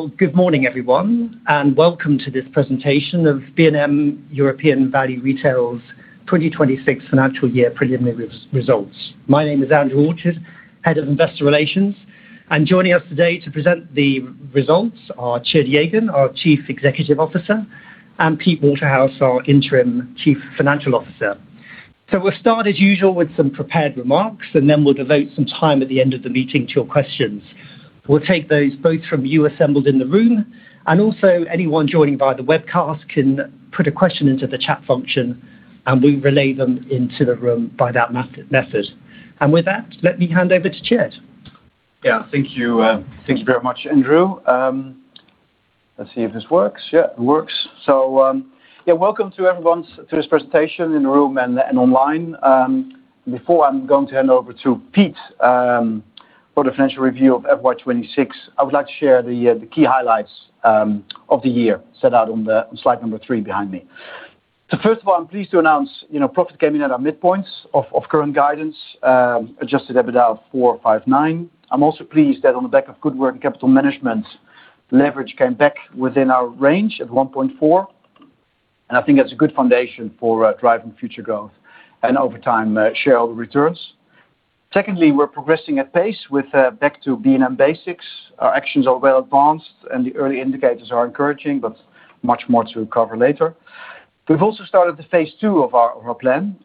Well, good morning, everyone, and welcome to this presentation of B&M European Value Retail's 2026 financial year preliminary results. My name is Dave McCarthy, Head of Investor Relations, and joining us today to present the results are Tjeerd Jegen, our Chief Executive Officer, and Peter Waterhouse, our Interim Chief Financial Officer. We'll start as usual with some prepared remarks, and then we'll devote some time at the end of the meeting to your questions. We'll take those both from you assembled in the room and also anyone joining via the webcast can put a question into the chat function, and we relay them into the room by that method. With that, let me hand over to Tjeerd. Thank you. Thank you very much, Andrew. Let's see if this works. It works. Welcome to everyone to this presentation in the room and online. Before I'm going to hand over to Pete, for the financial review of FY 2026, I would like to share the key highlights of the year set out on slide number three behind me. First of all, I'm pleased to announce profit came in at our midpoints of current guidance, adjusted EBITDA of 459. I'm also pleased that on the back of good work in capital management, leverage came back within our range at 1.4, and I think that's a good foundation for driving future growth and, over time, shareholder returns. Secondly, we're progressing at pace with Back to B&M Basics. Our actions are well advanced and the early indicators are encouraging, but much more to cover later. We've also started the phase II of our plan,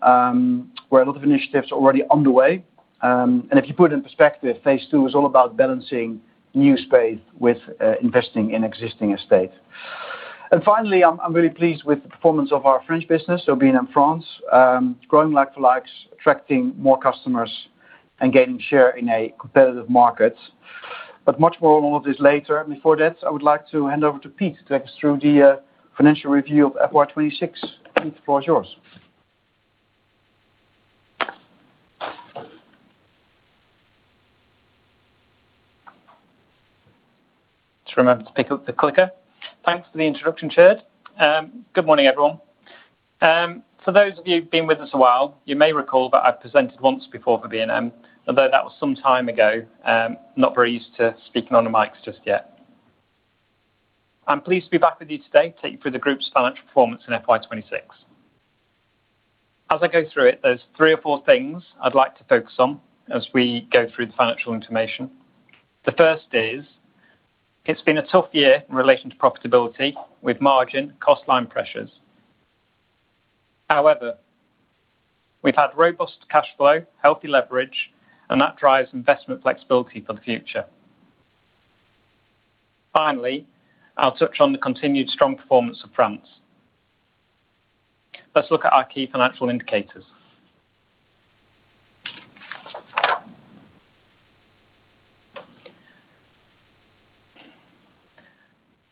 where a lot of initiatives are already underway. If you put it in perspective, phase II is all about balancing new space with investing in existing estate. Finally, I'm really pleased with the performance of our French business, so B&M France, growing like-for-likes, attracting more customers and gaining share in a competitive market. Much more on all of this later. Before that, I would like to hand over to Pete to take us through the financial review of FY 2026. Pete, the floor is yours. Just remember to pick up the clicker. Thanks for the introduction, Tjeerd. Good morning, everyone. For those of you who've been with us a while, you may recall that I've presented once before for B&M, although that was some time ago. Not very used to speaking on the mics just yet. I'm pleased to be back with you today to take you through the group's financial performance in FY 2026. As I go through it, there's three or four things I'd like to focus on as we go through the financial information. The first is it's been a tough year in relation to profitability with margin cost line pressures. However, we've had robust cash flow, healthy leverage, and that drives investment flexibility for the future. Finally, I'll touch on the continued strong performance of France. Let's look at our key financial indicators.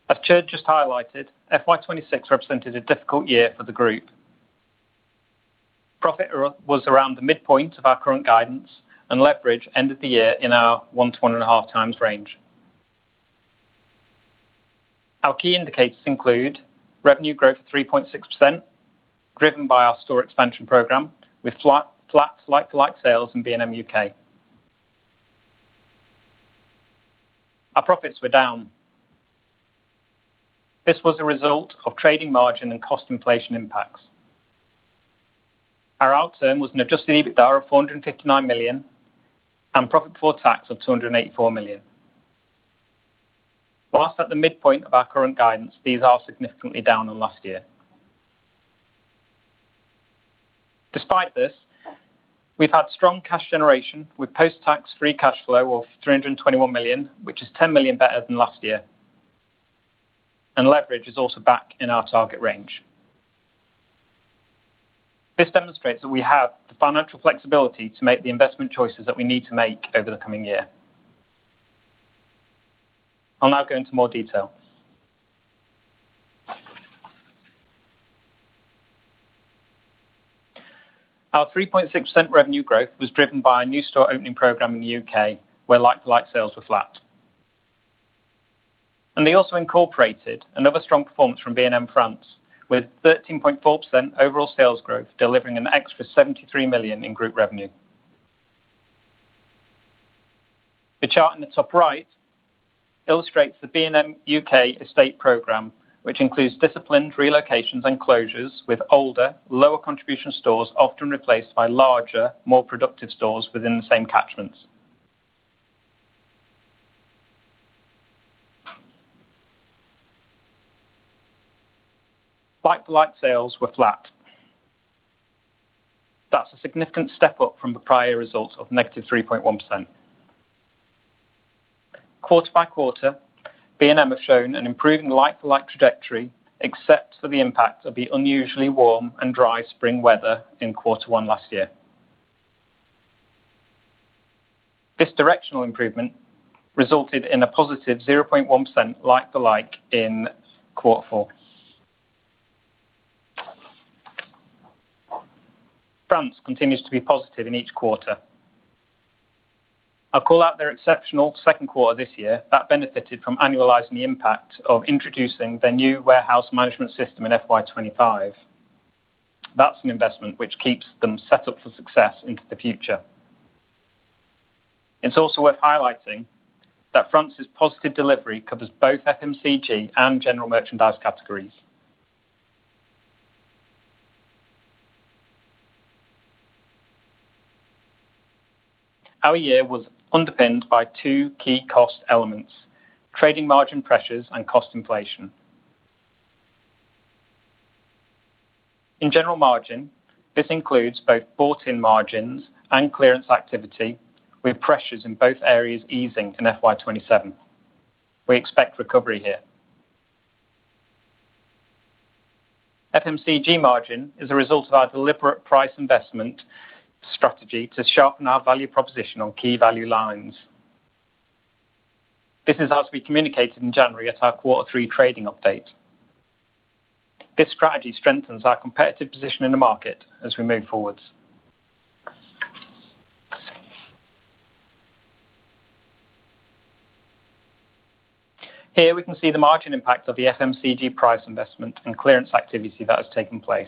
As Tjeerd just highlighted, FY 2026 represented a difficult year for the group. Profit was around the midpoint of our current guidance and leverage ended the year in our 1x-1.5x range. Our key indicators include revenue growth of 3.6%, driven by our store expansion program with flat like-for-like sales in B&M UK. Our profits were down. This was a result of trading margin and cost inflation impacts. Our outturn was an adjusted EBITDA of 459 million and profit before tax of 284 million. Whilst at the midpoint of our current guidance, these are significantly down on last year. Despite this, we've had strong cash generation with post-tax free cash flow of 321 million, which is 10 million better than last year. Leverage is also back in our target range. This demonstrates that we have the financial flexibility to make the investment choices that we need to make over the coming year. I'll now go into more detail. Our 3.6% revenue growth was driven by a new store opening program in the U.K. where like-for-like sales were flat. They also incorporated another strong performance from B&M France, with 13.4% overall sales growth, delivering an extra 73 million in group revenue. The chart in the top right illustrates the B&M U.K. estate program, which includes disciplined relocations and closures with older, lower contribution stores, often replaced by larger, more productive stores within the same catchments. Like-for-like sales were flat. That's a significant step up from the prior results of -3.1%. Quarter-by-quarter, B&M have shown an improving like-for-like trajectory except for the impact of the unusually warm and dry spring weather in quarter one last year. This directional improvement resulted in a positive 0.1% like-for-like in quarter four. B&M France continues to be positive in each quarter. I'll call out their exceptional second quarter this year that benefited from annualizing the impact of introducing their new warehouse management system in FY 2025. That's an investment which keeps them set up for success into the future. It's also worth highlighting that B&M France's positive delivery covers both FMCG and general merchandise categories. Our year was underpinned by two key cost elements, trading margin pressures and cost inflation. In general margin, this includes both bought-in margins and clearance activity, with pressures in both areas easing in FY 2027. We expect recovery here. FMCG margin is a result of our deliberate price investment strategy to sharpen our value proposition on key value lines. This is as we communicated in January at our quarter three trading update. This strategy strengthens our competitive position in the market as we move forward. Here we can see the margin impact of the FMCG price investment and clearance activity that has taken place.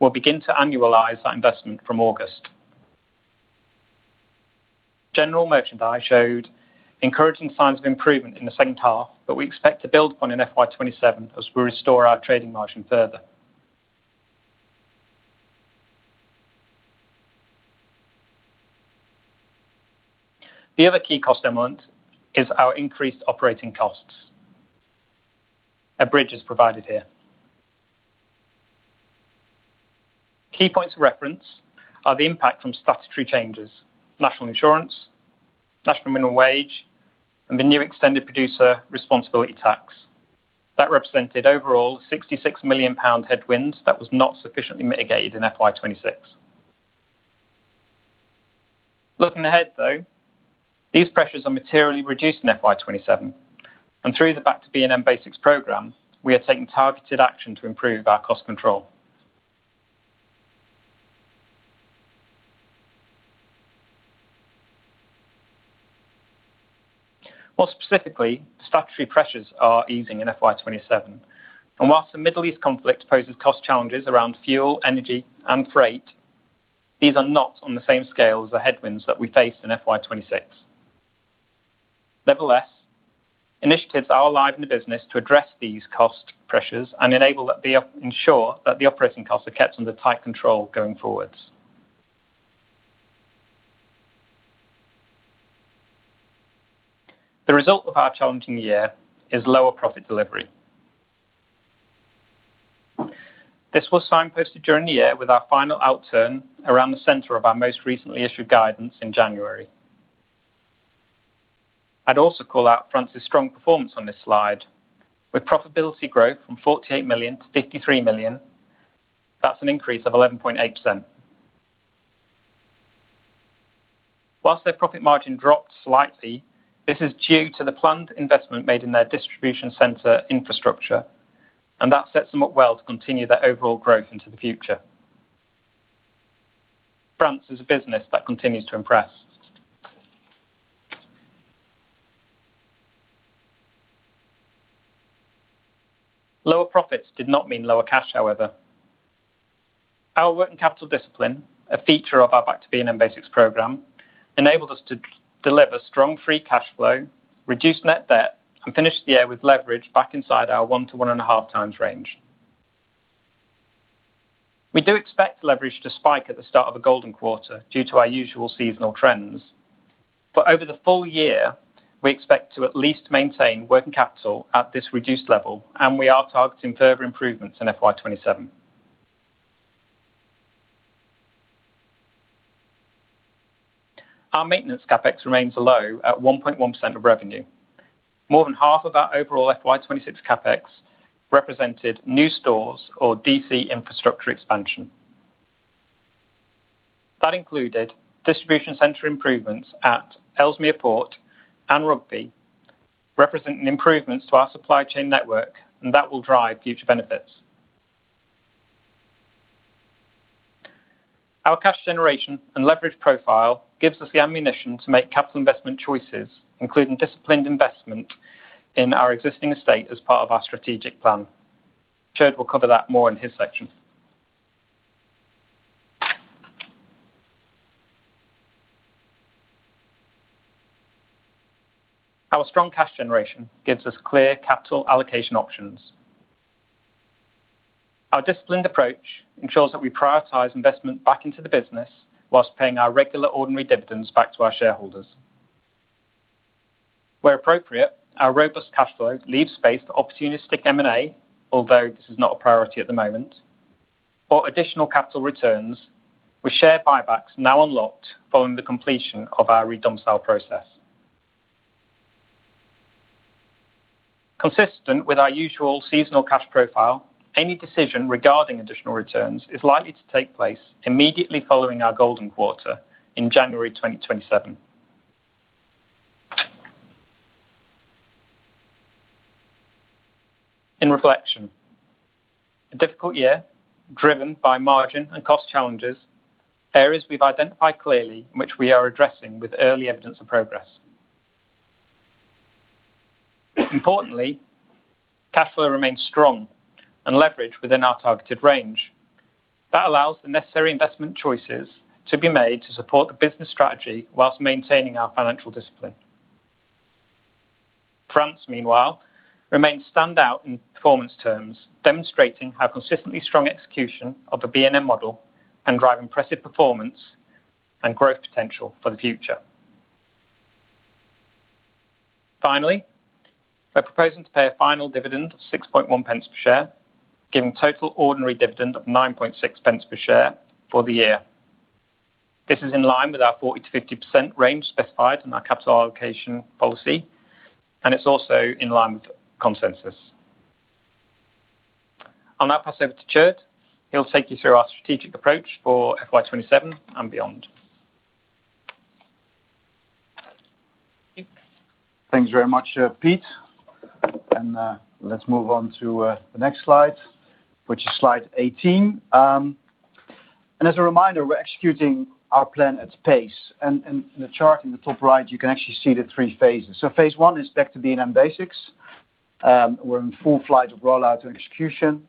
We'll begin to annualize that investment from August. General merchandise showed encouraging signs of improvement in the second half, we expect to build upon in FY 2027 as we restore our trading margin further. The other key cost element is our increased operating costs. A bridge is provided here. Key points of reference are the impact from statutory changes, National Insurance, National Minimum Wage, and the new Extended Producer Responsibility tax. That represented overall 66 million pound headwinds that was not sufficiently mitigated in FY 2026. Looking ahead, though, these pressures are materially reduced in FY 2027, through the Back to B&M Basics program, we are taking targeted action to improve our cost control. More specifically, statutory pressures are easing in FY 2027, while the Middle East conflict poses cost challenges around fuel, energy, and freight, these are not on the same scale as the headwinds that we faced in FY 2026. Nevertheless, initiatives are alive in the business to address these cost pressures and ensure that the operating costs are kept under tight control going forward. The result of our challenging year is lower profit delivery. This was signposted during the year with our final outturn around the center of our most recently issued guidance in January. I also call out B&M France's strong performance on this slide, with profitability growth from 48 million to 53 million. That is an increase of 11.8%. While their profit margin dropped slightly, this is due to the planned investment made in their distribution center infrastructure, and that sets them up well to continue their overall growth into the future. France is a business that continues to impress. Lower profits did not mean lower cash, however. Our working capital discipline, a feature of our Back to B&M Basics program, enabled us to deliver strong free cash flow, reduce net debt, and finish the year with leverage back inside our one to one and a half times range. We do expect leverage to spike at the start of a golden quarter due to our usual seasonal trends. Over the full year, we expect to at least maintain working capital at this reduced level, and we are targeting further improvements in FY 2027. Our maintenance CapEx remains low at 1.1% of revenue. More than half of our overall FY 2026 CapEx represented new stores or DC infrastructure expansion. That included distribution center improvements at Ellesmere Port and Rugby, representing improvements to our supply chain network, and that will drive future benefits. Our cash generation and leverage profile gives us the ammunition to make capital investment choices, including disciplined investment in our existing estate as part of our strategic plan. Tjeerd will cover that more in his section. Our strong cash generation gives us clear capital allocation options. Our disciplined approach ensures that we prioritize investment back into the business whilst paying our regular ordinary dividends back to our shareholders. Where appropriate, our robust cash flow leaves space for opportunistic M&A, although this is not a priority at the moment, or additional capital returns with share buybacks now unlocked following the completion of our redomicile process. Consistent with our usual seasonal cash profile, any decision regarding additional returns is likely to take place immediately following our golden quarter in January 2027. In reflection, a difficult year driven by margin and cost challenges, areas we've identified clearly and which we are addressing with early evidence of progress. Importantly, cash flow remains strong and leverage within our targeted range. Allows the necessary investment choices to be made to support the business strategy while maintaining our financial discipline. France, meanwhile, remains standout in performance terms, demonstrating how consistently strong execution of the B&M model can drive impressive performance and growth potential for the future. Finally, we're proposing to pay a final dividend of 0.061 per share, giving total ordinary dividend of 0.096 per share for the year. This is in line with our 40%-50% range specified in our capital allocation policy, it's also in line with consensus. On that, pass over to Tjeerd. He'll take you through our strategic approach for FY 2027 and beyond. Thanks very much, Pete. Let's move on to the next slide, which is slide 18. As a reminder, we're executing our plan at pace and the chart in the top right, you can actually see the three phases. Phase I is Back to B&M Basics. We're in full flight of rollout and execution.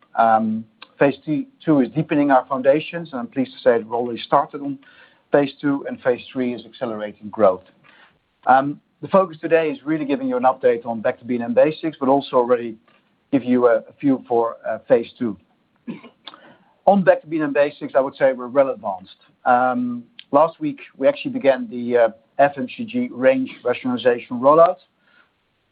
Phase II is deepening our foundations, I'm pleased to say we've already started on phase II, phase III is accelerating growth. The focus today is really giving you an update on Back to B&M Basics, but also really give you a view for phase II. On Back to B&M Basics, I would say we're well advanced. Last week, we actually began the FMCG range rationalization rollout.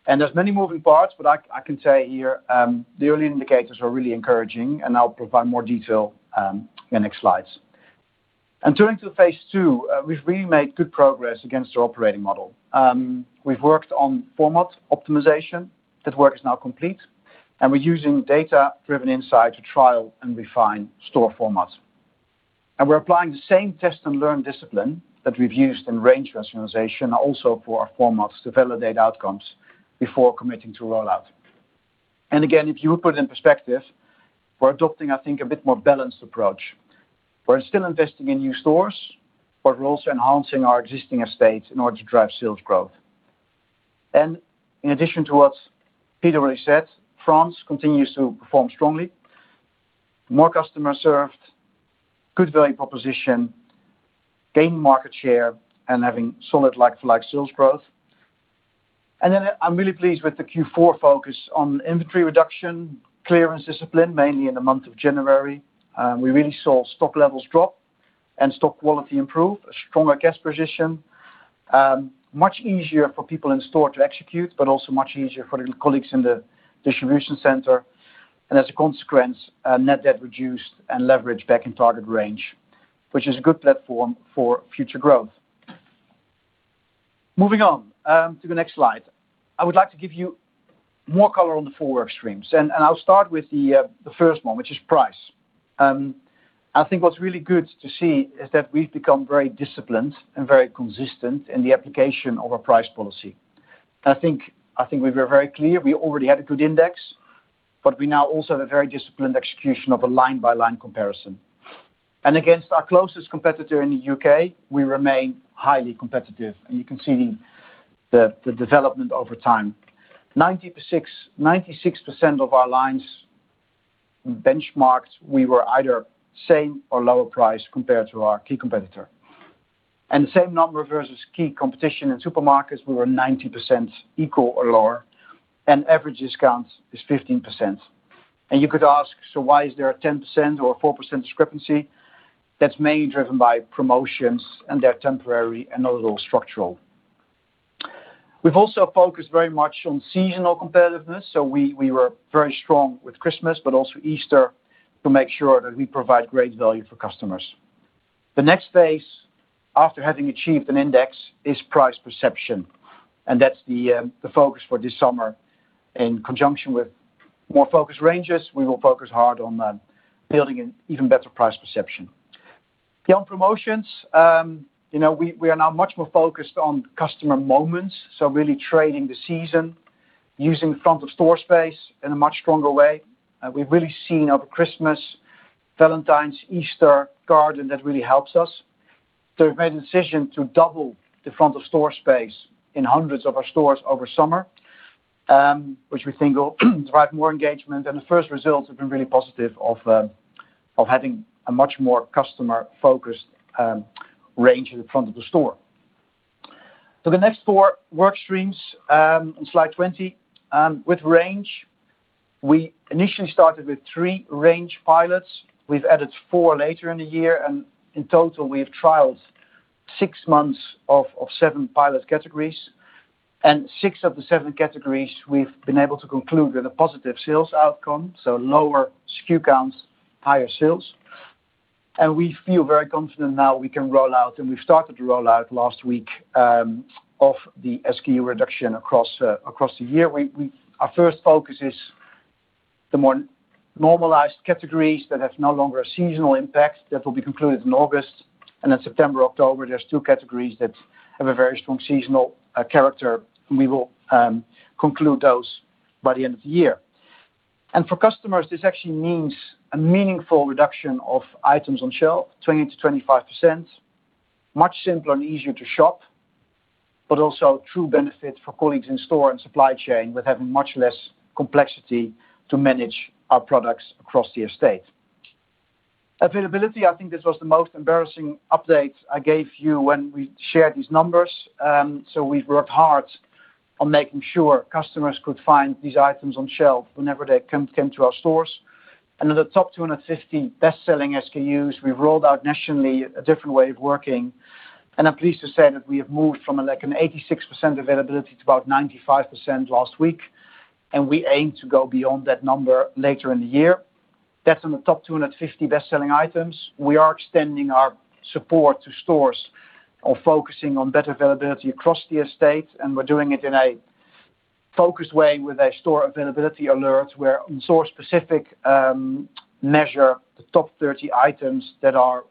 There's many moving parts, but I can say here, the early indicators are really encouraging and I'll provide more detail in the next slides. Turning to phase II, we've really made good progress against our operating model. We've worked on format optimization. That work is now complete, we're using data-driven insight to trial and refine store formats. We're applying the same test and learn discipline that we've used in range rationalization also for our formats to validate outcomes before committing to rollout. Again, if you put it in perspective, we're adopting, I think, a bit more balanced approach. We're still investing in new stores, we're also enhancing our existing estate in order to drive sales growth. In addition to what Peter already said, France continues to perform strongly. More customers served, good value proposition, gain market share, having solid like-for-like sales growth. I'm really pleased with the Q4 focus on inventory reduction, clearance discipline, mainly in the month of January. We really saw stock levels drop and stock quality improve, a stronger cash position. Much easier for people in store to execute, but also much easier for the colleagues in the distribution center. As a consequence, net debt reduced and leverage back in target range, which is a good platform for future growth. Moving on to the next slide. I would like to give you more color on the four work streams. I'll start with the first one, which is price. I think what's really good to see is that we've become very disciplined and very consistent in the application of our price policy. I think we were very clear we already had a good index. We now also have a very disciplined execution of a line-by-line comparison. Against our closest competitor in the U.K., we remain highly competitive, and you can see the development over time. 96% of our lines benchmarked, we were either same or lower price compared to our key competitor. The same number versus key competition in supermarkets, we were 90% equal or lower, and average discount is 15%. You could ask, why is there a 10% or a 4% discrepancy? That's mainly driven by promotions, and they're temporary and not at all structural. We've also focused very much on seasonal competitiveness, so we were very strong with Christmas, but also Easter to make sure that we provide great value for customers. The next phase after having achieved an index is price perception, and that's the focus for this summer. In conjunction with more focused ranges, we will focus hard on building an even better price perception. Beyond promotions, we are now much more focused on customer moments, really trading the season, using front of store space in a much stronger way. We've really seen our Christmas, Valentine's, Easter garden that really helps us. We've made a decision to double the front of store space in hundreds of our stores over summer, which we think will drive more engagement. The first results have been really positive of having a much more customer focused range at the front of the store. The next four work streams, in slide 20. With range, we initially started with three range pilots. We've added four later in the year, and in total, we have trialed six months of seven pilot categories. Six of the seven categories we've been able to conclude with a positive sales outcome, so lower SKU counts, higher sales. We feel very confident now we can roll out, and we started to roll out last week, of the SKU reduction across the year. Our first focus is the more normalized categories that have no longer a seasonal impact. That will be concluded in August. Then September, October, there's two categories that have a very strong seasonal character, and we will conclude those by the end of the year. For customers, this actually means a meaningful reduction of items on shelf, 20%-25%, much simpler and easier to shop, but also true benefit for colleagues in store and supply chain with having much less complexity to manage our products across the estate. Availability, I think this was the most embarrassing update I gave you when we shared these numbers. We've worked hard on making sure customers could find these items on shelf whenever they came to our stores. Of the top 250 best-selling SKUs, we've rolled out nationally a different way of working. I'm pleased to say that we have moved from an 86% availability to about 95% last week, and we aim to go beyond that number later in the year. That's on the top 250 best-selling items. We are extending our support to stores or focusing on better availability across the estate, and we're doing it in a focused way with a store availability alert, where on store specific, measure the top 30 items that are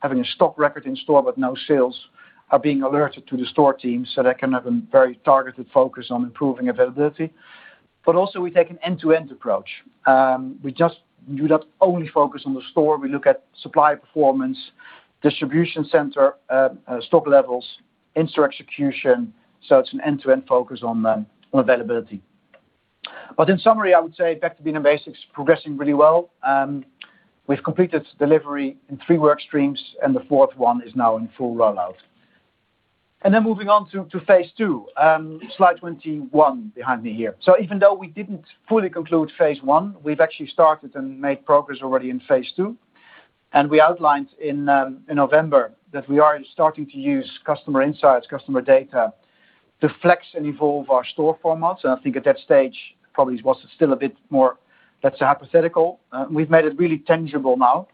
having a stock record in store but no sales are being alerted to the store team so they can have a very targeted focus on improving availability. Also, we take an end-to-end approach. We do not only focus on the store, we look at supply performance, distribution center, stock levels, in-store execution. It's an end-to-end focus on availability. In summary, I would say Back to B&M Basics progressing really well. We've completed delivery in three work streams, and the fourth one is now in full rollout. Moving on to phase II, slide 21 behind me here. Even though we didn't fully conclude phase I, we've actually started and made progress already in phase II. We outlined in November that we are starting to use customer insights, customer data to flex and evolve our store formats. I think at that stage probably was still a bit more, that's a hypothetical. We've made it really tangible now.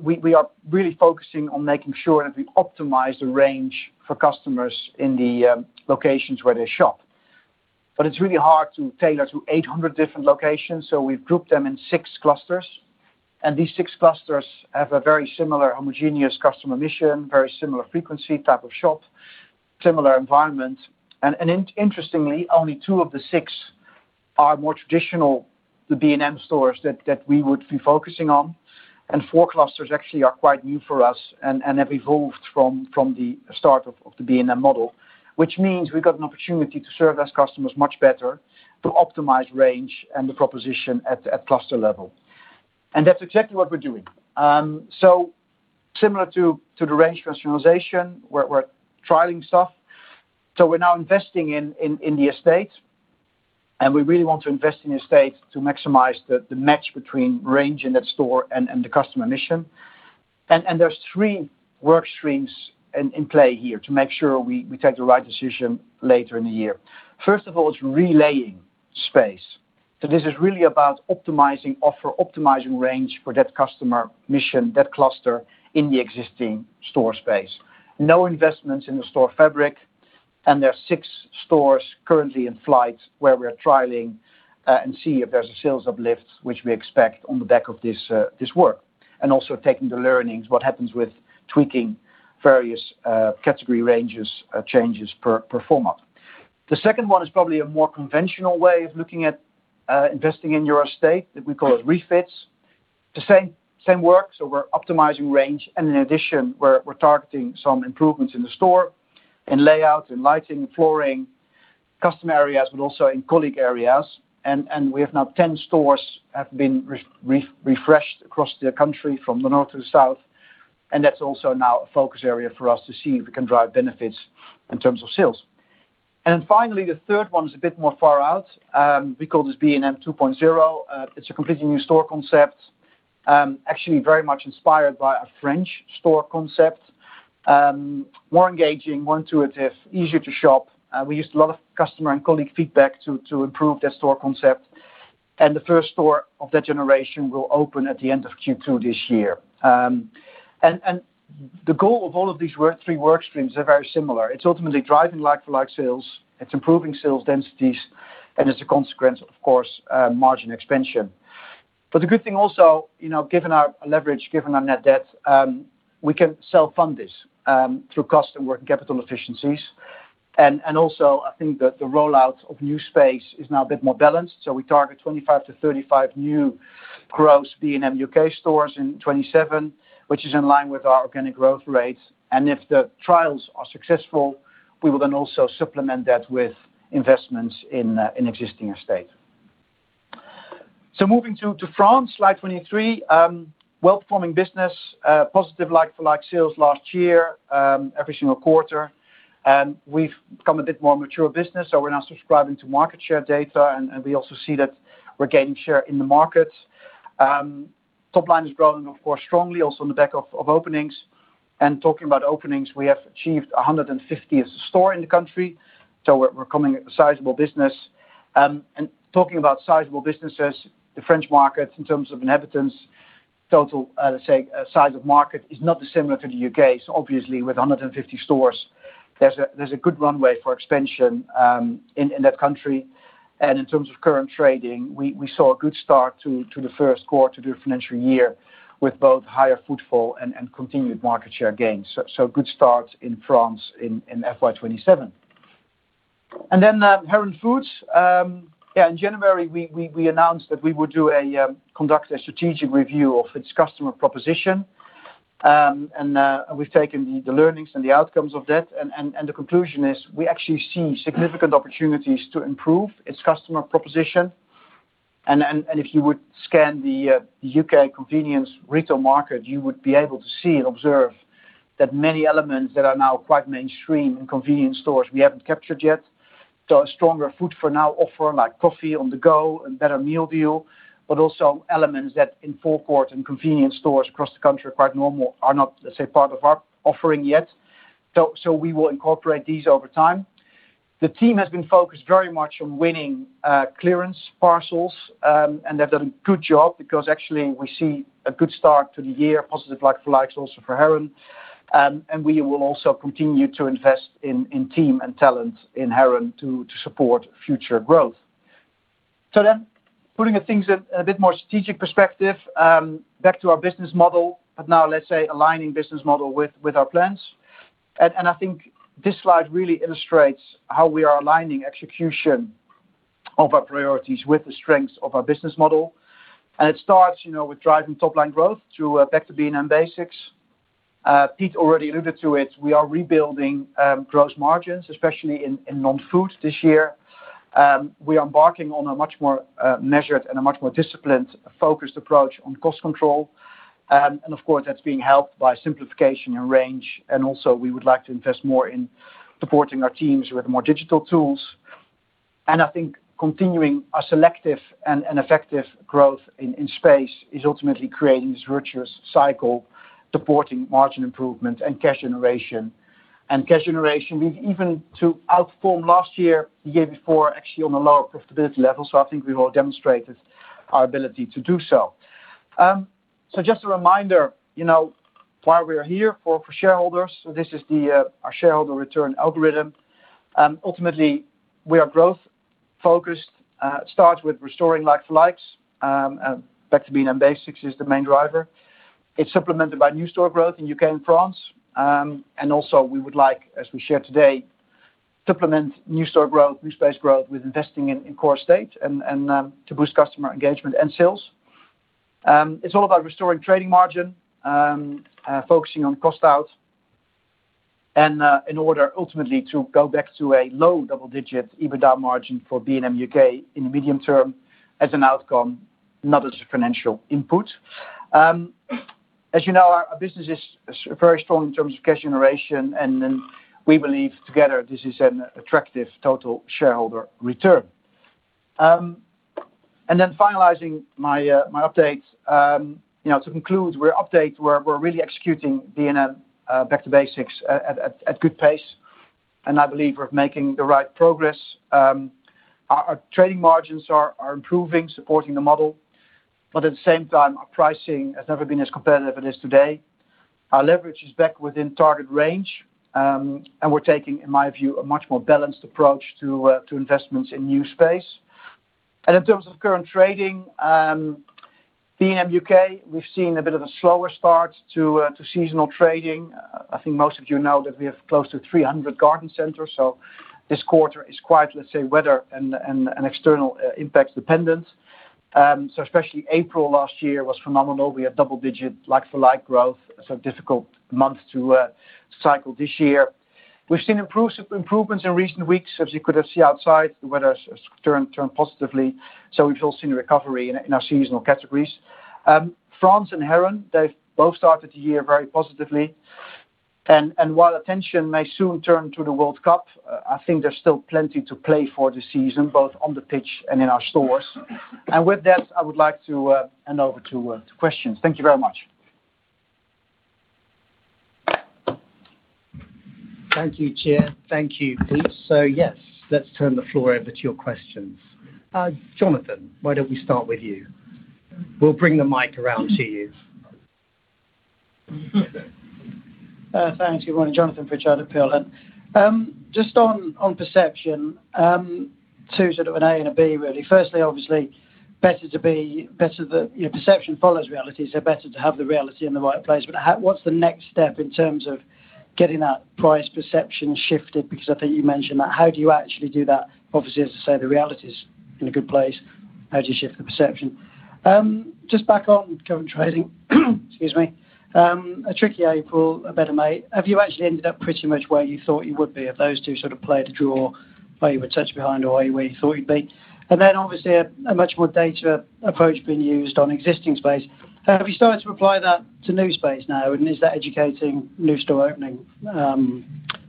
We are really focusing on making sure that we optimize the range for customers in the locations where they shop. It's really hard to tailor to 800 different locations. We've grouped them in six clusters, and these six clusters have a very similar homogeneous customer mission, very similar frequency type of shop, similar environment. Interestingly, only two of the six are more traditional, the B&M stores that we would be focusing on, and four clusters actually are quite new for us and have evolved from the start of the B&M model. We've got an opportunity to serve those customers much better, to optimize range and the proposition at cluster level. That's exactly what we're doing. Similar to the range rationalization, we're trialing stuff. We're now investing in the estate, and we really want to invest in the estate to maximize the match between range in that store and the customer mission. There's three work streams in play here to make sure we take the right decision later in the year. First of all, it's relaying space. This is really about optimizing offer, optimizing range for that customer mission, that cluster in the existing store space. No investments in the store fabric. There are six stores currently in flight where we're trialing, and see if there's a sales uplift, which we expect on the back of this work. Also taking the learnings, what happens with tweaking various category ranges, changes per format. The second one is probably a more conventional way of looking at investing in your estate, that we call refits. The same work, so we're optimizing range, and in addition, we're targeting some improvements in the store, in layout, in lighting, flooring, customer areas, but also in colleague areas. We have now 10 stores have been refreshed across the country from the north to the south. That's also now a focus area for us to see if we can drive benefits in terms of sales. Finally, the third one is a bit more far out. We call this Store 2.0. It's a completely new store concept, actually very much inspired by a French store concept. More engaging, more intuitive, easier to shop. We used a lot of customer and colleague feedback to improve the store concept. The first store of that generation will open at the end of Q2 this year. The goal of all of these three work streams are very similar. It's ultimately driving like-for-like sales, it's improving sales densities, and as a consequence, of course, margin expansion. The good thing also, given our leverage, given our net debt, we can self-fund this, through cost and working capital efficiencies. I think that the rollout of new space is now a bit more balanced. We target 25 to 35 new gross B&M UK stores in 2027, which is in line with our organic growth rates. If the trials are successful, we will then also supplement that with investments in existing estate. Moving to France, slide 23. Well-performing business, positive like-for-like sales last year, every single quarter. We've become a bit more mature business, so we're now subscribing to market share data, and we also see that we're gaining share in the market. Top line is growing, of course, strongly also on the back of openings. Talking about openings, we have achieved 150th store in the country, so we're becoming a sizable business. Talking about sizable businesses, the French market in terms of inhabitants, total size of market is not dissimilar to the U.K. Obviously with 150 stores, there's a good runway for expansion in that country. In terms of current trading, we saw a good start to the first quarter to the financial year with both higher footfall and continued market share gains. Good start in France in FY 2027. Then Heron Foods. Yeah, in January, we announced that we would conduct a strategic review of its customer proposition. We've taken the learnings and the outcomes of that, and the conclusion is we actually see significant opportunities to improve its customer proposition. If you would scan the U.K. convenience retail market, you would be able to see and observe that many elements that are now quite mainstream in convenience stores, we haven't captured yet. A stronger food for now offer like coffee on the go and better meal deal, but also elements that in forecourt and convenience stores across the country are quite normal, are not, let's say, part of our offering yet. We will incorporate these over time. The team has been focused very much on winning clearance parcels. They've done a good job because actually we see a good start to the year, positive like-for-like also for Heron. We will also continue to invest in team and talent in Heron to support future growth. Putting things in a bit more strategic perspective, back to our business model, but now let's say aligning business model with our plans. I think this slide really illustrates how we are aligning execution of our priorities with the strengths of our business model. It starts with driving top line growth through Back to B&M Basics. Pete already alluded to it. We are rebuilding gross margins, especially in non-food this year. We are embarking on a much more measured and a much more disciplined, focused approach on cost control. Of course, that's being helped by simplification and range. Also we would like to invest more in supporting our teams with more digital tools. I think continuing our selective and effective growth in space is ultimately creating this virtuous cycle, supporting margin improvement and cash generation. Cash generation, we even to outperform last year, the year before actually on a lower profitability level. I think we've all demonstrated our ability to do so. Just a reminder, why we are here for shareholders. This is our shareholder return algorithm. Ultimately, we are growth focused. It starts with restoring like-for-like, and Back to B&M Basics is the main driver. It is supplemented by new store growth in U.K. and France. Also we would like, as we shared today, supplement new store growth, new space growth with investing in Core Estate and to boost customer engagement and sales. It is all about restoring trading margin, focusing on cost out and in order ultimately to go back to a low double-digit EBITDA margin for B&M U.K. in the medium term as an outcome, not as a financial input. As you know, our business is very strong in terms of cash generation. We believe together this is an attractive total shareholder return. Finalizing my updates, to conclude where updates were, we're really executing B&M Back to Basics at good pace. I believe we're making the right progress. Our trading margins are improving, supporting the model, but at the same time, our pricing has never been as competitive as it is today. Our leverage is back within target range. We're taking, in my view, a much more balanced approach to investments in new space. In terms of current trading, B&M UK, we've seen a bit of a slower start to seasonal trading. I think most of you know that we have close to 300 garden centers, so this quarter is quite, let's say, weather and external impacts dependent. Especially April last year was phenomenal. We had double-digit like-for-like growth, so difficult month to cycle this year. We've seen improvements in recent weeks. As you could have seen outside, the weather has turned positively, so we've all seen a recovery in our seasonal categories. France and Heron, they've both started the year very positively. While attention may soon turn to the World Cup, I think there's still plenty to play for this season, both on the pitch and in our stores. With that, I would like to hand over to questions. Thank you very much. Thank you, Tjeerd. Thank you, Pete. Yes, let's turn the floor over to your questions. Jonathan, why don't we start with you? We'll bring the mic around to you. Thanks. Good morning. Jonathan from Peel Hunt. On perception, two sort of an A and a B really. Obviously, perception follows reality, better to have the reality in the right place. What's the next step in terms of getting that price perception shifted? I think you mentioned that. How do you actually do that? Obviously, as I say, the reality's in a good place. How do you shift the perception? Back on with current trading, excuse me. A tricky April, a better May. Have you actually ended up pretty much where you thought you would be if those two sort of played a draw where you were touch behind or where you thought you'd be? Obviously a much more data approach being used on existing space. Have you started to apply that to new space now? Is that educating new store opening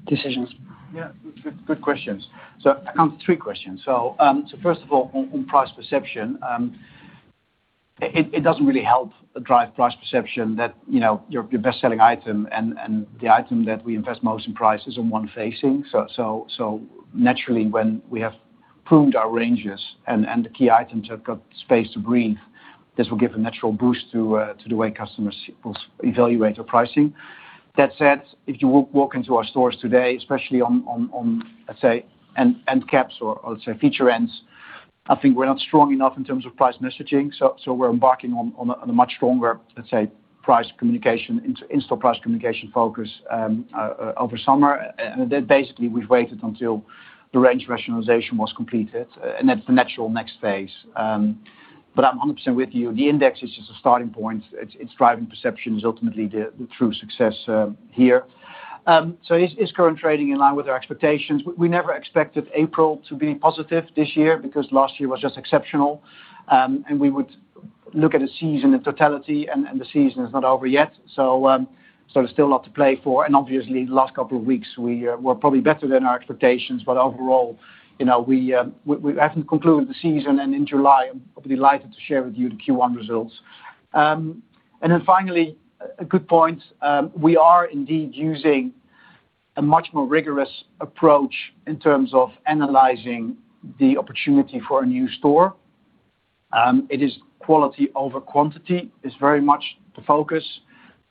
decisions? Yeah. Good questions. I count three questions. First of all, on price perception, it doesn't really help drive price perception that your best-selling item and the item that we invest most in price is on one facing. Naturally when we have pruned our ranges and the key items have got space to breathe, this will give a natural boost to the way customers evaluate our pricing. That said, if you walk into our stores today, especially on, let's say end caps or let's say feature ends, I think we're not strong enough in terms of price messaging, so we're embarking on a much stronger, let's say, in-store price communication focus over summer. Basically, we've waited until the range rationalization was completed, and that's the natural next phase. I'm 100% with you. The index is just a starting point. It's driving perceptions ultimately the true success here. Is current trading in line with our expectations? We never expected April to be positive this year because last year was just exceptional. We would look at the season in totality, and the season is not over yet. There's still a lot to play for, and obviously the last couple of weeks we're probably better than our expectations, but overall we haven't concluded the season, and in July, I'll be delighted to share with you the Q1 results. Finally, a good point. We are indeed using a much more rigorous approach in terms of analyzing the opportunity for a new store. It is quality over quantity is very much the focus.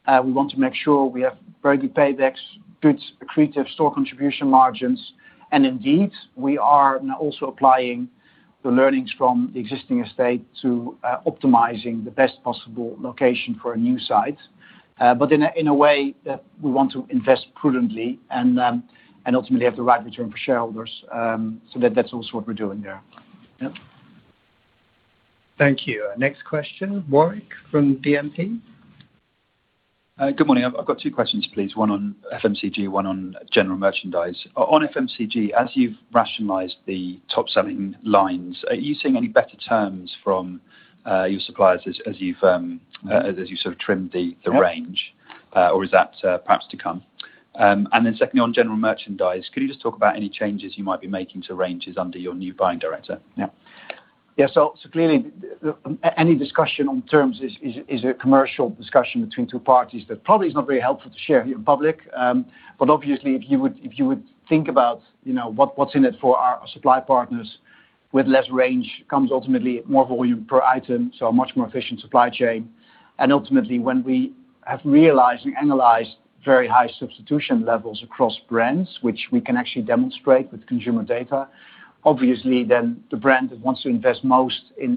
We want to make sure we have very good paybacks, good accretive store contribution margins, and indeed, we are now also applying the learnings from the existing estate to optimizing the best possible location for a new site. In a way that we want to invest prudently and ultimately have the right return for shareholders. That's also what we're doing there. Yep. Thank you. Next question, Warwick from BNP. Good morning. I've got two questions, please. One on FMCG, one on general merchandise. On FMCG, as you've rationalized the top selling lines, are you seeing any better terms from your suppliers as you've sort of trimmed the range? Yeah. Is that perhaps to come? Secondly, on general merchandise, could you just talk about any changes you might be making to ranges under your new buying director? Yeah. Clearly any discussion on terms is a commercial discussion between two parties that probably is not very helpful to share in public. Obviously if you would think about what's in it for our supply partners with less range comes ultimately more volume per item, so a much more efficient supply chain. Ultimately, when we have realized and analyzed very high substitution levels across brands, which we can actually demonstrate with consumer data, obviously then the brand that wants to invest most in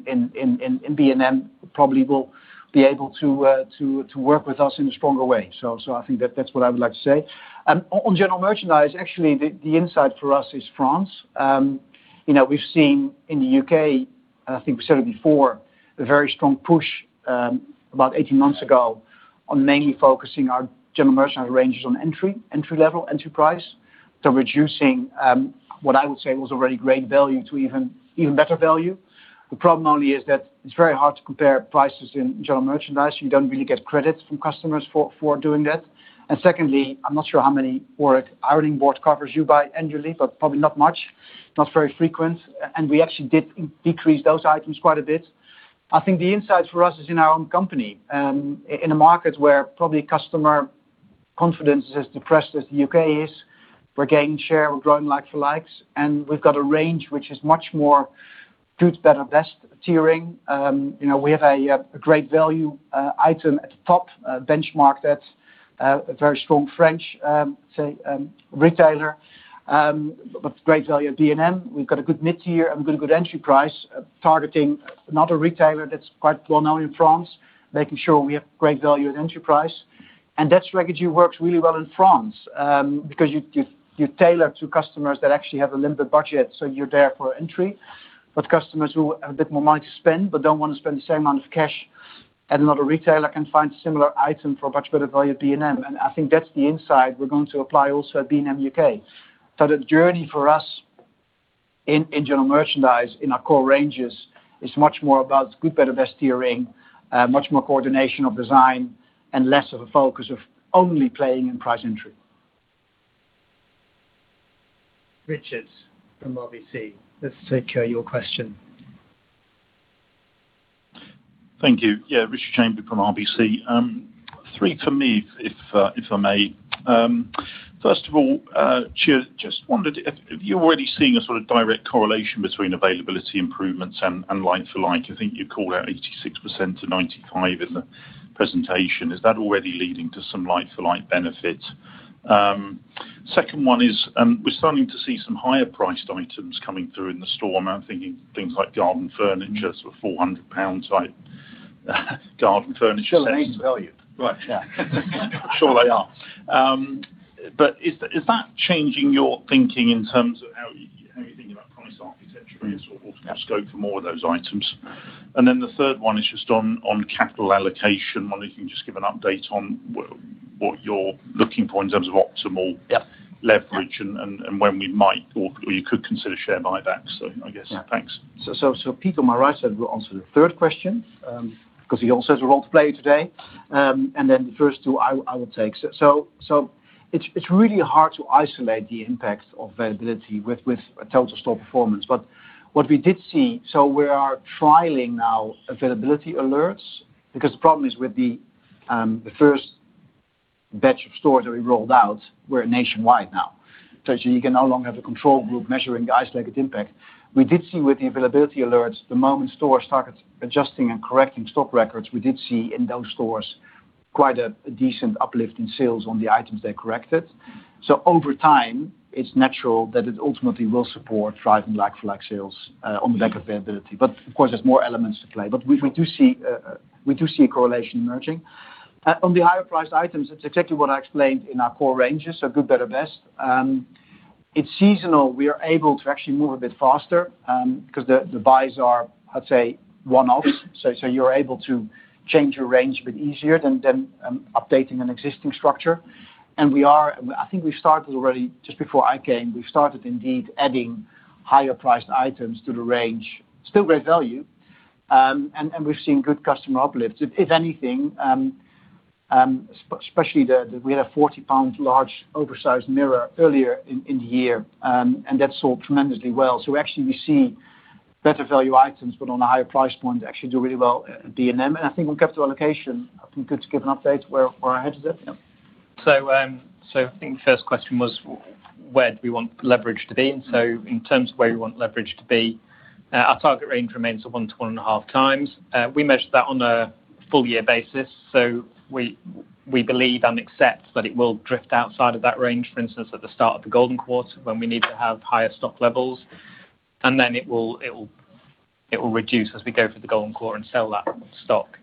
B&M probably will be able to work with us in a stronger way. I think that's what I would like to say. On general merchandise, actually, the insight for us is France. We've seen in the U.K., and I think we said it before, a very strong push, about 18 months ago, on mainly focusing our general merchandise ranges on entry level, entry price to reducing, what I would say was already great value to even better value. The problem only is that it's very hard to compare prices in general merchandise. You don't really get credit from customers for doing that. Secondly, I'm not sure how many, Warwick, ironing boards covers you buy annually, but probably not much, not very frequent. We actually did decrease those items quite a bit. I think the insights for us is in our own company. In a market where probably customer confidence is as depressed as the U.K. is, we're gaining share, we're growing like-for-like, and we've got a range which is much more good, better, best tiering. We have a great value item at the top benchmarked at a very strong French retailer, but great value at B&M. We've got a good mid-tier and a good entry price, targeting another retailer that's quite well-known in France, making sure we have great value at entry price. That strategy works really well in France, because you tailor to customers that actually have a limited budget, so you're there for entry. Customers who have a bit more money to spend but don't want to spend the same amount of cash at another retailer can find a similar item for a much better value at B&M. I think that's the insight we're going to apply also at B&M UK. The journey for us in general merchandise in our core ranges is much more about good, better, best tiering, much more coordination of design, and less of a focus of only playing in price entry. Richard from RBC, let's take your question. Thank you. Richard Chamberlain from RBC. Three from me, if I may. First of all, Tjeerd, just wondered if you're already seeing a sort of direct correlation between availability improvements and like-for-like? I think you called out 86% to 95% in the presentation. Is that already leading to some like-for-like benefit? Second one is, we're starting to see some higher priced items coming through in the store assortment, thinking things like garden furniture, sort of 400 pound type garden furniture sets. Still amazing value. Right. Yeah. Sure they are. Is that changing your thinking in terms of how you're thinking about price architecture here as well, or scope for more of those items? The third one is just on capital allocation. I'm wondering if you can just give an update on what you're looking for in terms of optimal leverage and, when we might or you could consider share buybacks, I guess. Yeah. Thanks. Pete on my right side will answer the third question, because he also has a role to play today. Then the first two, I will take. It's really hard to isolate the impact of availability with total store performance. What we did see, so we are trialing now availability alerts, because the problem is with the first batch of stores that we rolled out were nationwide now. That you can no longer have a control group measuring the isolated impact. We did see with the availability alerts, the moment stores started adjusting and correcting stock records, we did see in those stores quite a decent uplift in sales on the items they corrected. Over time, it's natural that it ultimately will support driving like-for-like sales on the back of availability. Of course, there's more elements at play. We do see a correlation emerging. On the higher priced items, it's exactly what I explained in our core ranges, good, better, best. It's seasonal. We are able to actually move a bit faster, because the buys are, let's say, one-offs, so you're able to change your range a bit easier than updating an existing structure. I think we started already just before I came, we started indeed adding higher priced items to the range, still great value, and we've seen good customer uplifts. If anything, especially we had a 40 pound large oversized mirror earlier in the year, and that sold tremendously well. Actually we see better value items, but on a higher priced point, actually do really well at B&M, and I think on capital allocation, I think good to give an update where our heads are at. I think the first question was where do we want leverage to be, and so in terms of where we want leverage to be, our target range remains at one to one and a half times. We measure that on a full-year basis. We believe and accept that it will drift outside of that range, for instance, at the start of the golden quarter when we need to have higher stock levels, and then it will reduce as we go through the golden quarter and sell that stock.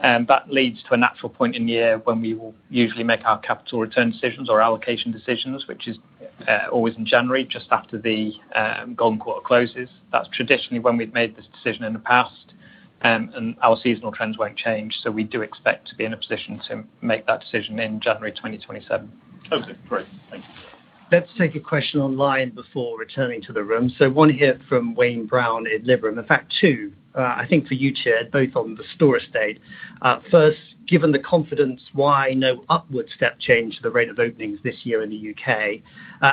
That leads to a natural point in the year when we will usually make our capital return decisions or allocation decisions, which is always in January, just after the golden quarter closes. That's traditionally when we've made this decision in the past, and our seasonal trends won't change. We do expect to be in a position to make that decision in January 2027. Okay, great. Thank you. Let's take a question online before returning to the room. One here from Wayne Brown at Liberum. In fact, two, I think for you, Tjeerd, both on the store estate. First, given the confidence, why no upward step change the rate of openings this year in the U.K.?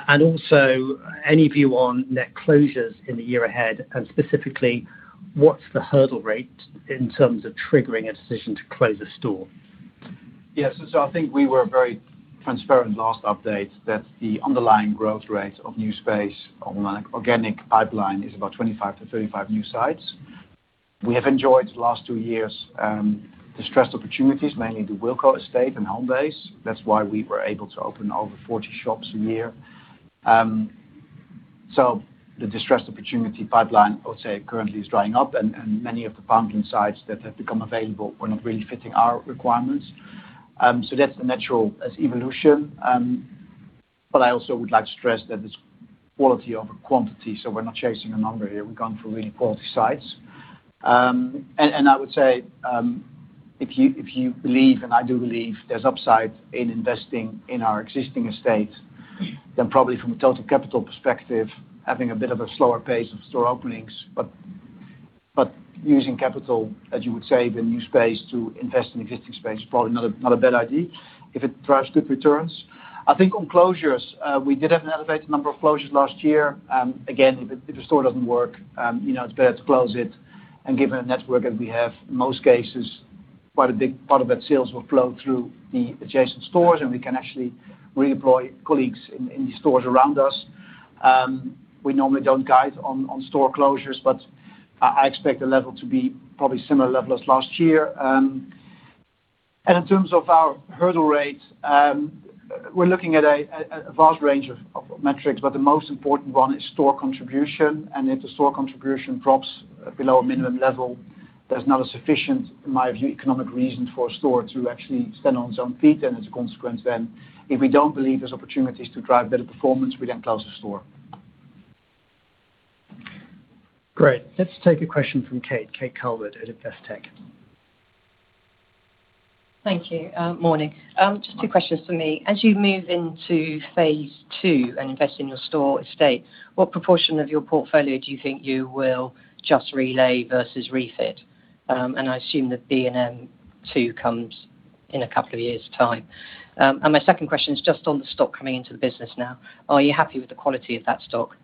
Also any view on net closures in the year ahead and specifically, what's the hurdle rate in terms of triggering a decision to close a store? Yes. I think we were very transparent last update that the underlying growth rate of new space on organic pipeline is about 25 to 35 new sites. We have enjoyed the last two years distressed opportunities, mainly the Wilko estate and Homebase. That's why we were able to open over 40 shops a year. The distressed opportunity pipeline, I would say, currently is drying up and many of the founding sites that have become available were not really fitting our requirements. That's the natural evolution, but I also would like to stress that it's quality over quantity, so we're not chasing a number here. We're going for really quality sites. I would say, if you believe, and I do believe, there's upside in investing in our existing estate, then probably from a total capital perspective, having a bit of a slower pace of store openings, but using capital, as you would say, the new space to invest in existing space, probably not a bad idea if it drives good returns. I think on closures, we did have an elevated number of closures last year. Again, if a store doesn't work, it's better to close it. Given the network that we have, in most cases, quite a big part of that sales will flow through the adjacent stores and we can actually reemploy colleagues in the stores around us. We normally don't guide on store closures, but I expect the level to be probably similar level as last year. In terms of our hurdle rate, we're looking at a vast range of metrics, but the most important one is store contribution. If the store contribution drops below a minimum level, there's not a sufficient, in my view, economic reason for a store to actually stand on its own feet. As a consequence then, if we don't believe there's opportunities to drive better performance, we then close the store. Great. Let's take a question from Kate Calvert at Investec. Thank you. Morning. Just two questions from me. As you move into phase II and invest in your store estate, what proportion of your portfolio do you think you will just relay versus refit? I assume that B&M 2 comes in a couple of years time. My second question is just on the stock coming into the business now. Are you happy with the quality of that stock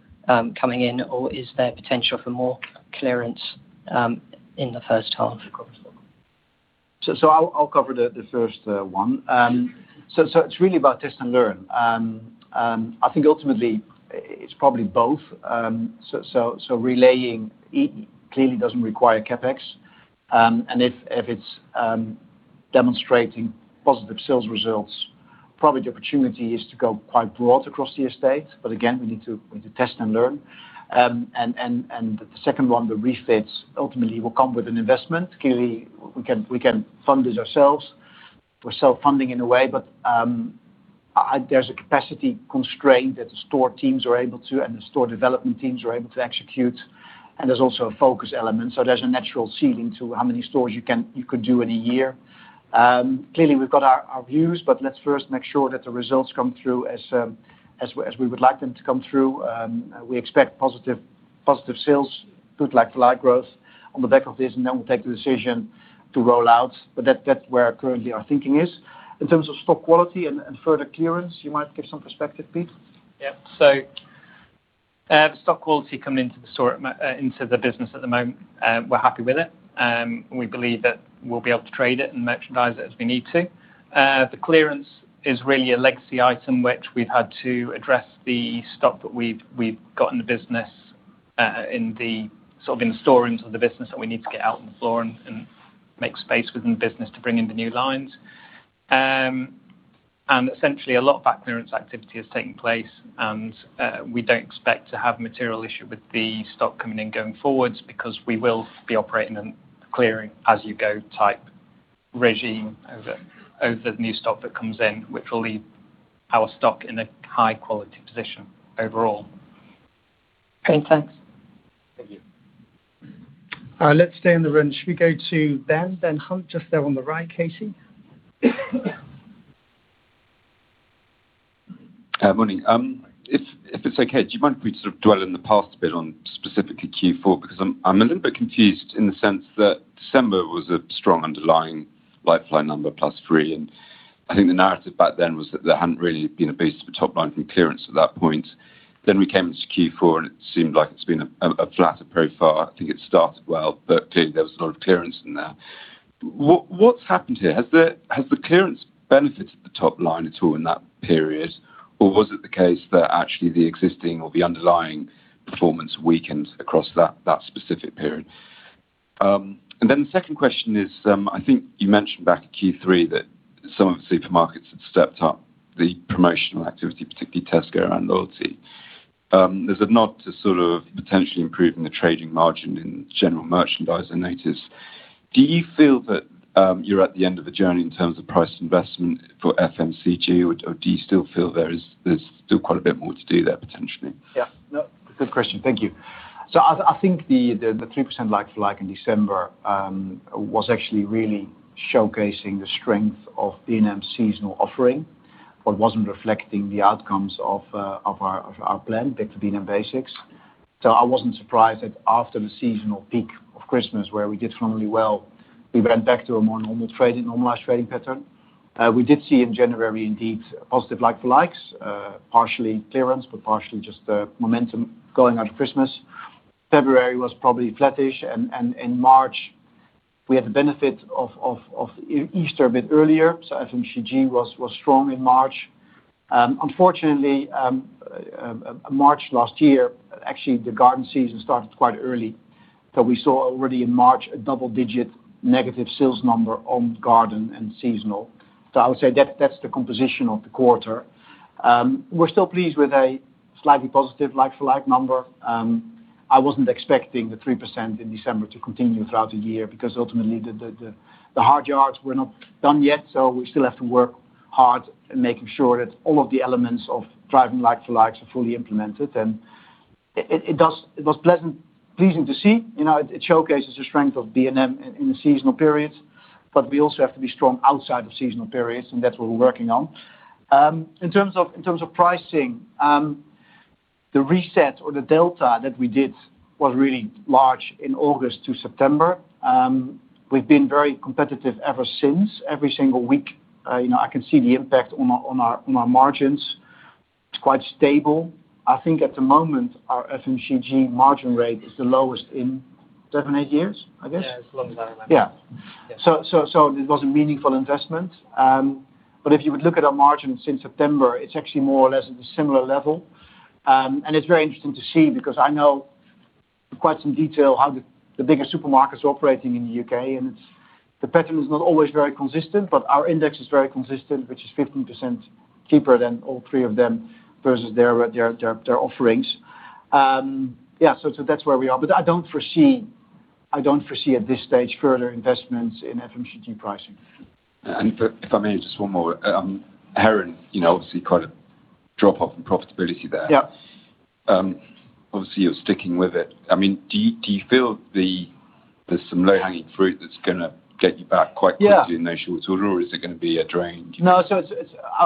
coming in, or is there potential for more clearance in the first half? I'll cover the first one. It's really about test and learn. I think ultimately it's probably both. Relaying clearly doesn't require CapEx. If it's demonstrating positive sales results, probably the opportunity is to go quite broad across the estate. Again, we need to test and learn. The second one, the refits ultimately will come with an investment. Clearly, we can fund this ourselves. We're self-funding in a way, but there's a capacity constraint that the store teams are able to, and the store development teams are able to execute, and there's also a focus element. There's a natural ceiling to how many stores you could do in a year. Clearly, we've got our views, but let's first make sure that the results come through as we would like them to come through. We expect positive sales, good like-for-like growth on the back of this, and then we'll take the decision to roll out. That's where currently our thinking is. In terms of stock quality and further clearance, you might give some perspective, Pete? Yeah. The stock quality coming into the business at the moment, we're happy with it. We believe that we'll be able to trade it and merchandise it as we need to. The clearance is really a legacy item, which we've had to address the stock that we've got in the storerooms of the business that we need to get out on the floor and make space within the business to bring in the new lines. Essentially, a lot of that clearance activity has taken place, and we don't expect to have material issue with the stock coming in going forwards because we will be operating a clearing-as-you-go type regime over the new stock that comes in, which will leave our stock in a high-quality position overall. Great. Thanks. Thank you. Let's stay in the room. Should we go to Peel Hunt just there on the right, Kate? Morning. If it's okay, do you mind if we sort of dwell in the past a bit on specifically Q4? I'm a little bit confused in the sense that December was a strong underlying like-for-like number plus three, and I think the narrative back then was that there hadn't really been a boost to the top line from clearance at that point. We came into Q4, and it seemed like it's been flatter so far. I think it started well, clearly, there was a lot of clearance in there. What's happened here? Has the clearance benefited the top line at all in that period, or was it the case that actually the existing or the underlying performance weakened across that specific period? The second question is, I think you mentioned back in Q3 that some of the supermarkets had stepped up the promotional activity, particularly Tesco around loyalty. There's a nod to sort of potentially improving the trading margin in general merchandise I notice. Do you feel that you're at the end of the journey in terms of price investment for FMCG, or do you still feel there's still quite a bit more to do there, potentially? No, good question. Thank you. I think the 3% like-for-like in December was actually really showcasing the strength of B&M's seasonal offering, but wasn't reflecting the outcomes of our plan Back to B&M Basics. I wasn't surprised that after the seasonal peak of Christmas where we did extremely well, we went back to a more normalized trading pattern. We did see in January, indeed, positive like-for-likes, partially clearance, but partially just the momentum going out of Christmas. February was probably flattish. In March, we had the benefit of Easter a bit earlier, so FMCG was strong in March. Unfortunately, March last year, actually, the garden season started quite early. We saw already in March a double-digit negative sales number on garden and seasonal. I would say that's the composition of the quarter. We're still pleased with a slightly positive like-for-like number. I wasn't expecting the 3% in December to continue throughout the year because ultimately the hard yards were not done yet, so we still have to work hard in making sure that all of the elements of driving like-for-likes are fully implemented. It was pleasing to see. It showcases the strength of B&M in the seasonal periods, but we also have to be strong outside of seasonal periods, and that's what we're working on. In terms of pricing, the reset or the delta that we did was really large in August to September. We've been very competitive ever since. Every single week, I can see the impact on our margins. It's quite stable. I think at the moment, our FMCG margin rate is the lowest in seven, eight years, I guess? Yeah, it's a long time, I think. Yeah. Yeah. It was a meaningful investment. If you would look at our margins in September, it's actually more or less at a similar level. It's very interesting to see because I know quite some detail how the bigger supermarkets are operating in the U.K., and the pattern is not always very consistent, but our index is very consistent, which is 15% cheaper than all three of them versus their offerings. That's where we are. I don't foresee at this stage further investments in FMCG pricing. If I may, just one more. Heron, obviously quite a drop-off in profitability there. Yeah. Obviously, you're sticking with it. Do you feel there's some low-hanging fruit that's going to get you back quite quickly? Yeah In the short term, or is it going to be a drain? No.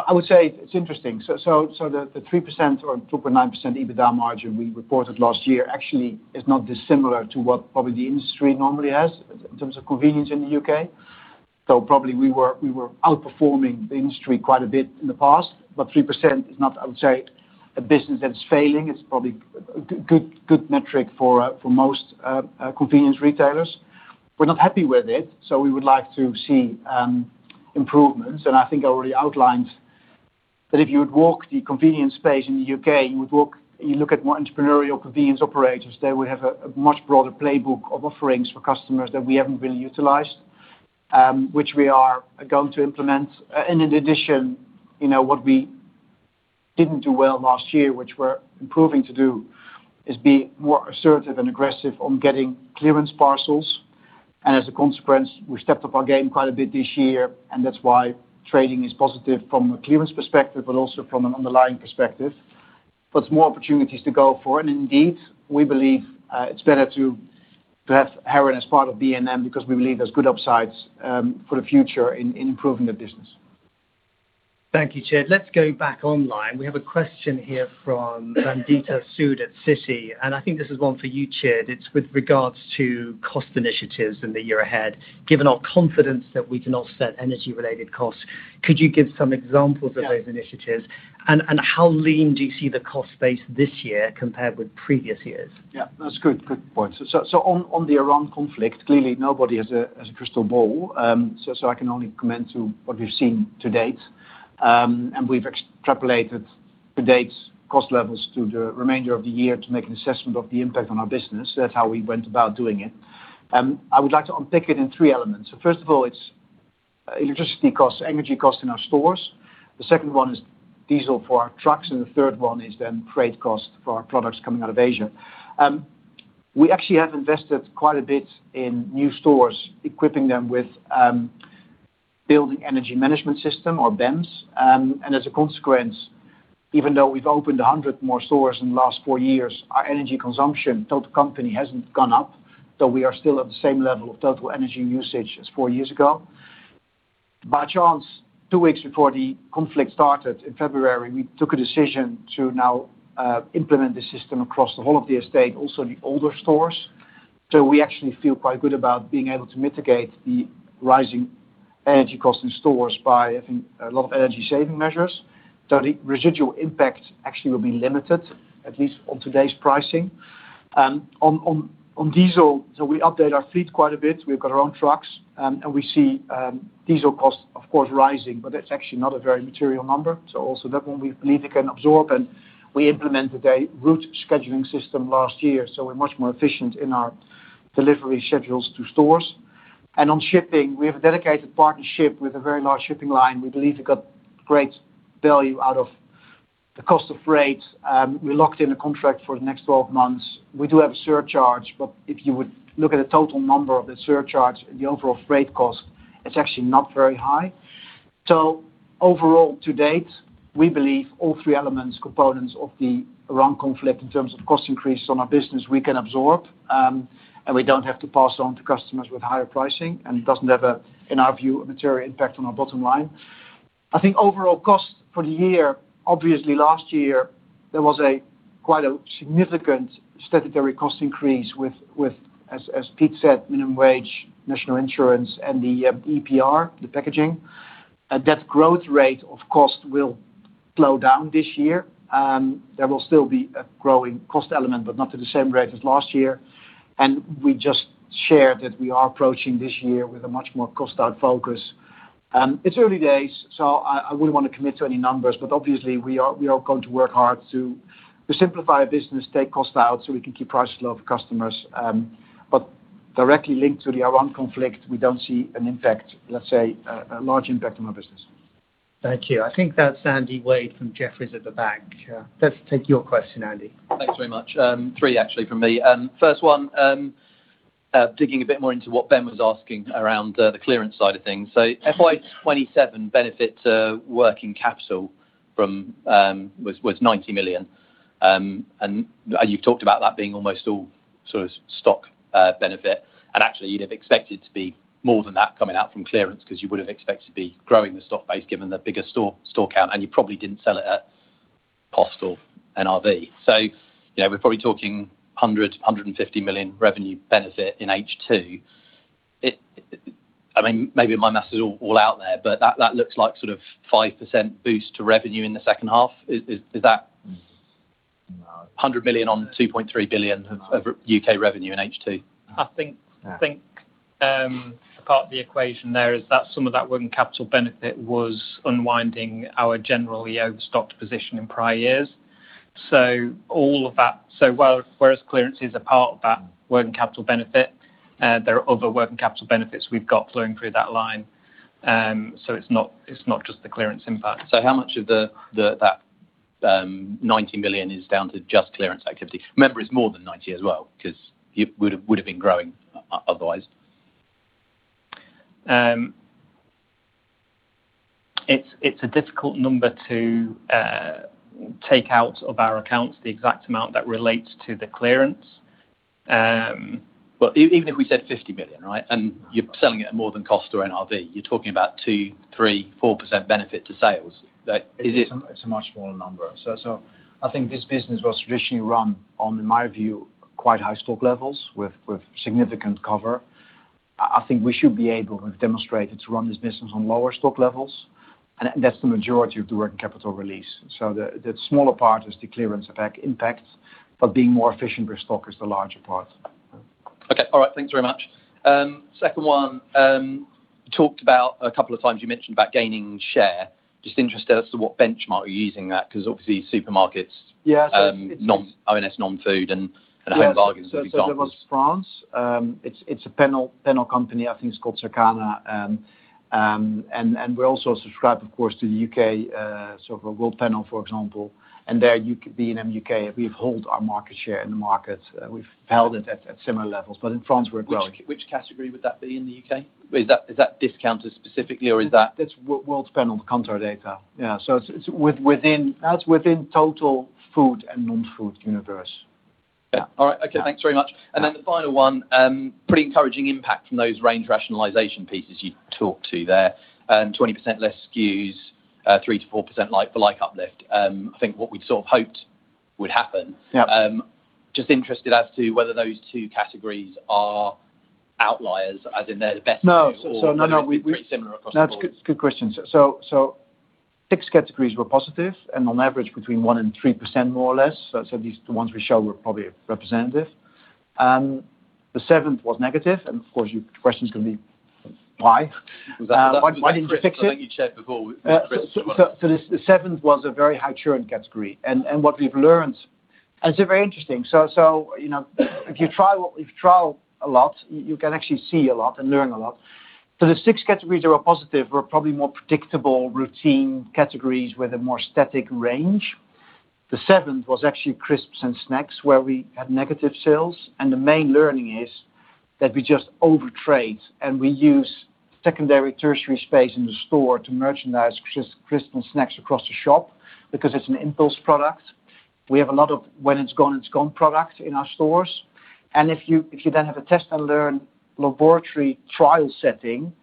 I would say it's interesting. The 3% or 2.9% EBITDA margin we reported last year actually is not dissimilar to what probably the industry normally has in terms of convenience in the U.K. Probably we were outperforming the industry quite a bit in the past, but 3% is not, I would say, a business that's failing. It's probably a good metric for most convenience retailers. We're not happy with it. We would like to see improvements, and I think I already outlined that if you would walk the convenience space in the U.K., you look at more entrepreneurial convenience operators, they would have a much broader playbook of offerings for customers that we haven't really utilized, which we are going to implement. In addition, what we didn't do well last year, which we're improving to do, is be more assertive and aggressive on getting clearance parcels. As a consequence, we stepped up our game quite a bit this year, and that's why trading is positive from a clearance perspective, but also from an underlying perspective. There's more opportunities to go for, and indeed, we believe it's better to have Heron as part of B&M because we believe there's good upsides for the future in improving the business. Thank you, Tjeerd. Let's go back online. We have a question here from Vandita Sood at Citi, and I think this is one for you, Tjeerd. It's with regards to cost initiatives in the year ahead. Given our confidence that we can offset energy-related costs, could you give some examples of those initiatives? How lean do you see the cost base this year compared with previous years? That's a good point. On the Iran conflict, clearly nobody has a crystal ball. I can only comment to what we've seen to date. We've extrapolated to date cost levels to the remainder of the year to make an assessment of the impact on our business. That's how we went about doing it. I would like to unpick it in three elements. First of all, it's electricity costs, energy costs in our stores. The second one is diesel for our trucks. The third one is freight costs for our products coming out of Asia. We actually have invested quite a bit in new stores, equipping them with building energy management system or BEMS. As a consequence, even though we've opened 100 more stores in the last four years, our energy consumption total company hasn't gone up, so we are still at the same level of total energy usage as four years ago. By chance, two weeks before the conflict started in February, we took a decision to now implement the system across the whole of the estate, also in the older stores. We actually feel quite good about being able to mitigate the rising energy costs in stores by having a lot of energy-saving measures. The residual impact actually will be limited, at least on today's pricing. On diesel, we update our fleet quite a bit. We've got our own trucks, we see diesel costs, of course, rising, but that's actually not a very material number. Also that one we believe we can absorb, and we implemented a route scheduling system last year, so we're much more efficient in our delivery schedules to stores. On shipping, we have a dedicated partnership with a very large shipping line. We believe we got great value out of the cost of freight. We locked in a contract for the next 12 months. We do have a surcharge, but if you would look at the total number of the surcharge, the overall freight cost, it's actually not very high. Overall, to date, we believe all three elements, components of the Iran conflict in terms of cost increase on our business we can absorb, and we don't have to pass on to customers with higher pricing. It doesn't have a, in our view, a material impact on our bottom line. I think overall cost for the year, obviously last year, there was quite a significant statutory cost increase with, as Pete said, National Minimum Wage, National Insurance, and the EPR, the packaging. That growth rate, of course, will slow down this year. There will still be a growing cost element, but not at the same rate as last year. We just shared that we are approaching this year with a much more cost-out focus. It's early days, I wouldn't want to commit to any numbers, obviously, we are going to work hard to simplify our business, take cost out so we can keep prices low for customers. Directly linked to the Iran conflict, we don't see an impact, let's say, a large impact on our business. Thank you. I think that's Andrew Wade from Jefferies at the back. Let's take your question, Andy. Thanks very much. Three actually from me. First one, digging a bit more into what Ben was asking around the clearance side of things. FY 2027 benefit working capital was 90 million. You've talked about that being almost all sort of stock benefit, and actually you'd have expected to be more than that coming out from clearance because you would have expected to be growing the stock base given the bigger store count, and you probably didn't sell it at cost or NRV. Yeah, we're probably talking 100-150 million revenue benefit in H2. Maybe my math is all out there, but that looks like sort of 5% boost to revenue in the second half. Is that? 100 million on 2.3 billion of UK revenue in H2? I think part of the equation there is that some of that working capital benefit was unwinding our general E&O stock position in prior years. Whereas clearance is a part of that working capital benefit, there are other working capital benefits we've got flowing through that line. It's not just the clearance impact. How much of that 90 million is down to just clearance activity? Remember, it's more than 90 as well because it would've been growing otherwise. It's a difficult number to take out of our accounts the exact amount that relates to the clearance. Even if we said 50 million, right, and you're selling it at more than cost or NRV, you're talking about 2%, 3%, 4% benefit to sales. It's a much smaller number. I think this business was traditionally run on, in my view, quite high stock levels with significant cover. I think we should be able, we've demonstrated to run this business on lower stock levels, and that's the majority of the working capital release. The smaller part is the clearance impact, but being more efficient with stock is the larger part. Okay. All right. Thanks very much. Second one, you talked about a couple of times, you mentioned about gaining share. Just interested as to what benchmark are you using that because obviously supermarkets ONS non-food and Home Bargains as examples. There was France. It's a panel company, I think it's called Circana. We also subscribe, of course, to the U.K. Kantar Worldpanel, for example. There, B&M UK, we've hold our market share in the market. We've held it at similar levels. In France, we're growing. Which category would that be in the U.K.? Is that discounters specifically or is that- That's Worldpanel Kantar data. Yeah. That's within total food and non-food universe. Yeah. All right. Okay. Thanks very much. Then the final one, pretty encouraging impact from those range rationalization pieces you talked to there. 20% less SKUs, 3%-4% like-for-like uplift. I think what we'd sort of hoped would happen. Yeah. Just interested as to whether those two categories are outliers as in they're the best two or pretty similar across the board. No, it's a good question. Six categories were positive and on average between 1% and 3% more or less. At least the ones we show were probably representative. The seventh was negative and, of course, your question's going to be Why? Why didn't you fix it? I think you said before with the crisps as well. The seventh was a very high churn category. It's very interesting. If you trial a lot, you can actually see a lot and learn a lot. The six categories that were positive were probably more predictable, routine categories with a more static range. The seventh was actually crisps and snacks, where we had negative sales. The main learning is that we just overtrade, and we use secondary, tertiary space in the store to merchandise crisps and snacks across the shop because it's an impulse product. We have a lot of when it's gone, it's gone product in our stores. If you then have a test and learn laboratory trial setting,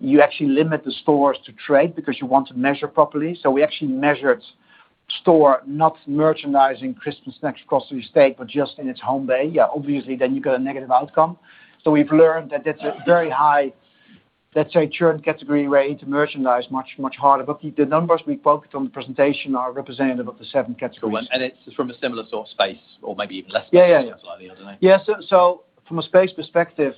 you actually limit the stores to trade because you want to measure properly. We actually measured store not merchandising crisps and snacks across the estate, but just in its home bay. Obviously, then you got a negative outcome. We've learned that that's a very high, let's say, churn category where you need to merchandise much, much harder. The numbers we focused on in the presentation are representative of the seven categories. It's from a similar sort of space or maybe even less space, slightly. I don't know. Yeah. From a space perspective,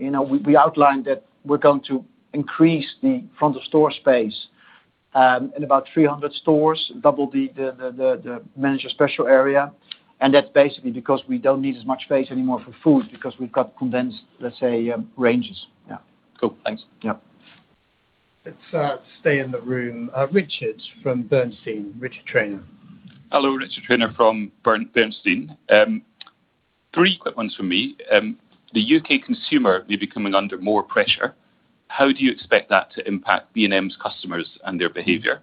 we outlined that we're going to increase the front of store space in about 300 stores, double the manager special area, and that's basically because we don't need as much space anymore for food because we've got condensed, let's say, ranges. Yeah. Cool. Thanks. Yep. Let's stay in the room. Richard from Bernstein, Richard Chamberlain. Hello, Richard Chamberlain from Bernstein. Three quick ones from me. The U.K. consumer may be coming under more pressure. How do you expect that to impact B&M's customers and their behavior?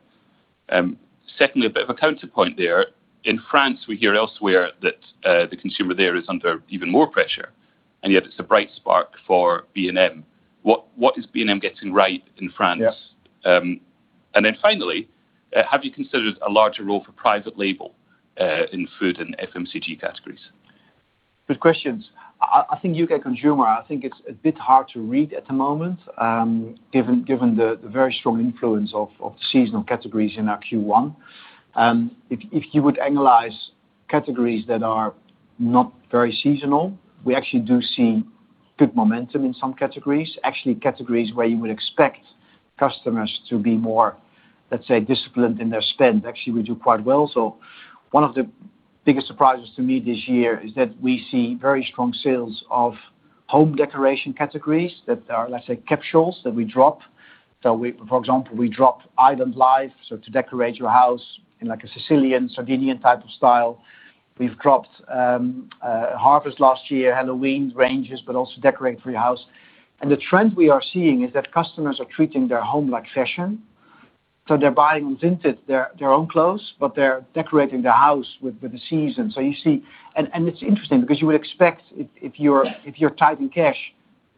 Secondly, a bit of a counterpoint there. In France, we hear elsewhere that the consumer there is under even more pressure, and yet it's a bright spark for B&M. What is B&M getting right in France? Yeah. Finally, have you considered a larger role for private label, in food and FMCG categories? Good questions. I think U.K. consumer, it's a bit hard to read at the moment, given the very strong influence of seasonal categories in our Q1. If you would analyze categories that are not very seasonal, we actually do see good momentum in some categories. Categories where you would expect customers to be more, let's say, disciplined in their spend, actually we do quite well. One of the biggest surprises to me this year is that we see very strong sales of home decoration categories that are, let's say, capsules that we drop. For example, we dropped Island Life, so to decorate your house in like a Sicilian, Sardinian type of style. We've dropped, harvest last year, Halloween ranges, but also decorate for your house. The trend we are seeing is that customers are treating their home like fashion. They're buying vintage, their own clothes, but they're decorating the house with the season. You see, and it's interesting because you would expect if you're tight in cash,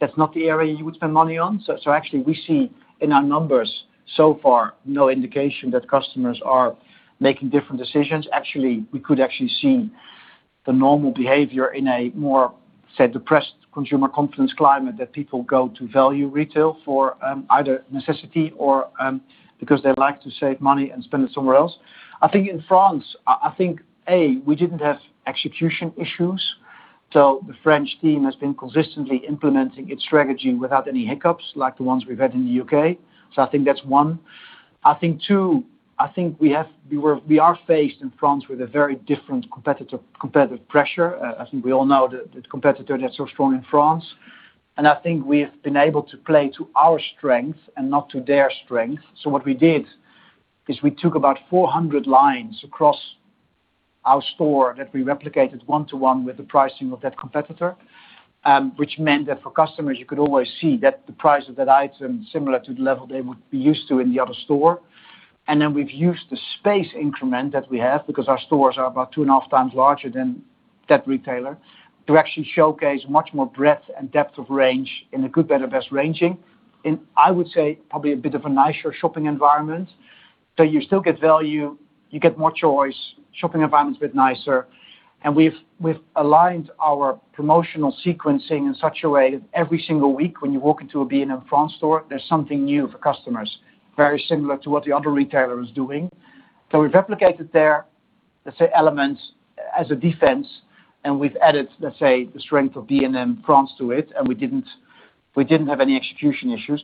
that's not the area you would spend money on. Actually we see in our numbers so far no indication that customers are making different decisions. Actually, we could actually see the normal behavior in a more, say, depressed consumer confidence climate, that people go to value retail for, either necessity or because they like to save money and spend it somewhere else. I think in France, I think, A, we didn't have execution issues. The French team has been consistently implementing its strategy without any hiccups like the ones we've had in the U.K. I think that's one. I think, two, I think we are faced in France with a very different competitive pressure. I think we all know that the competitor there is so strong in France. I think we've been able to play to our strength and not to their strength. What we did is we took about 400 lines across our store that we replicated one-to-one with the pricing of that competitor, which meant that for customers, you could always see that the price of that item similar to the level they would be used to in the other store. Then we've used the space increment that we have because our stores are about two and a half times larger than that retailer to actually showcase much more breadth and depth of range in a good, better, best ranging in, I would say, probably a bit of a nicer shopping environment. You still get value, you get more choice, shopping environment's a bit nicer, and we've aligned our promotional sequencing in such a way that every single week when you walk into a B&M France store, there's something new for customers, very similar to what the other retailer is doing. We've replicated their, let's say, elements as a defense, and we've added, let's say, the strength of B&M France to it, and we didn't have any execution issues.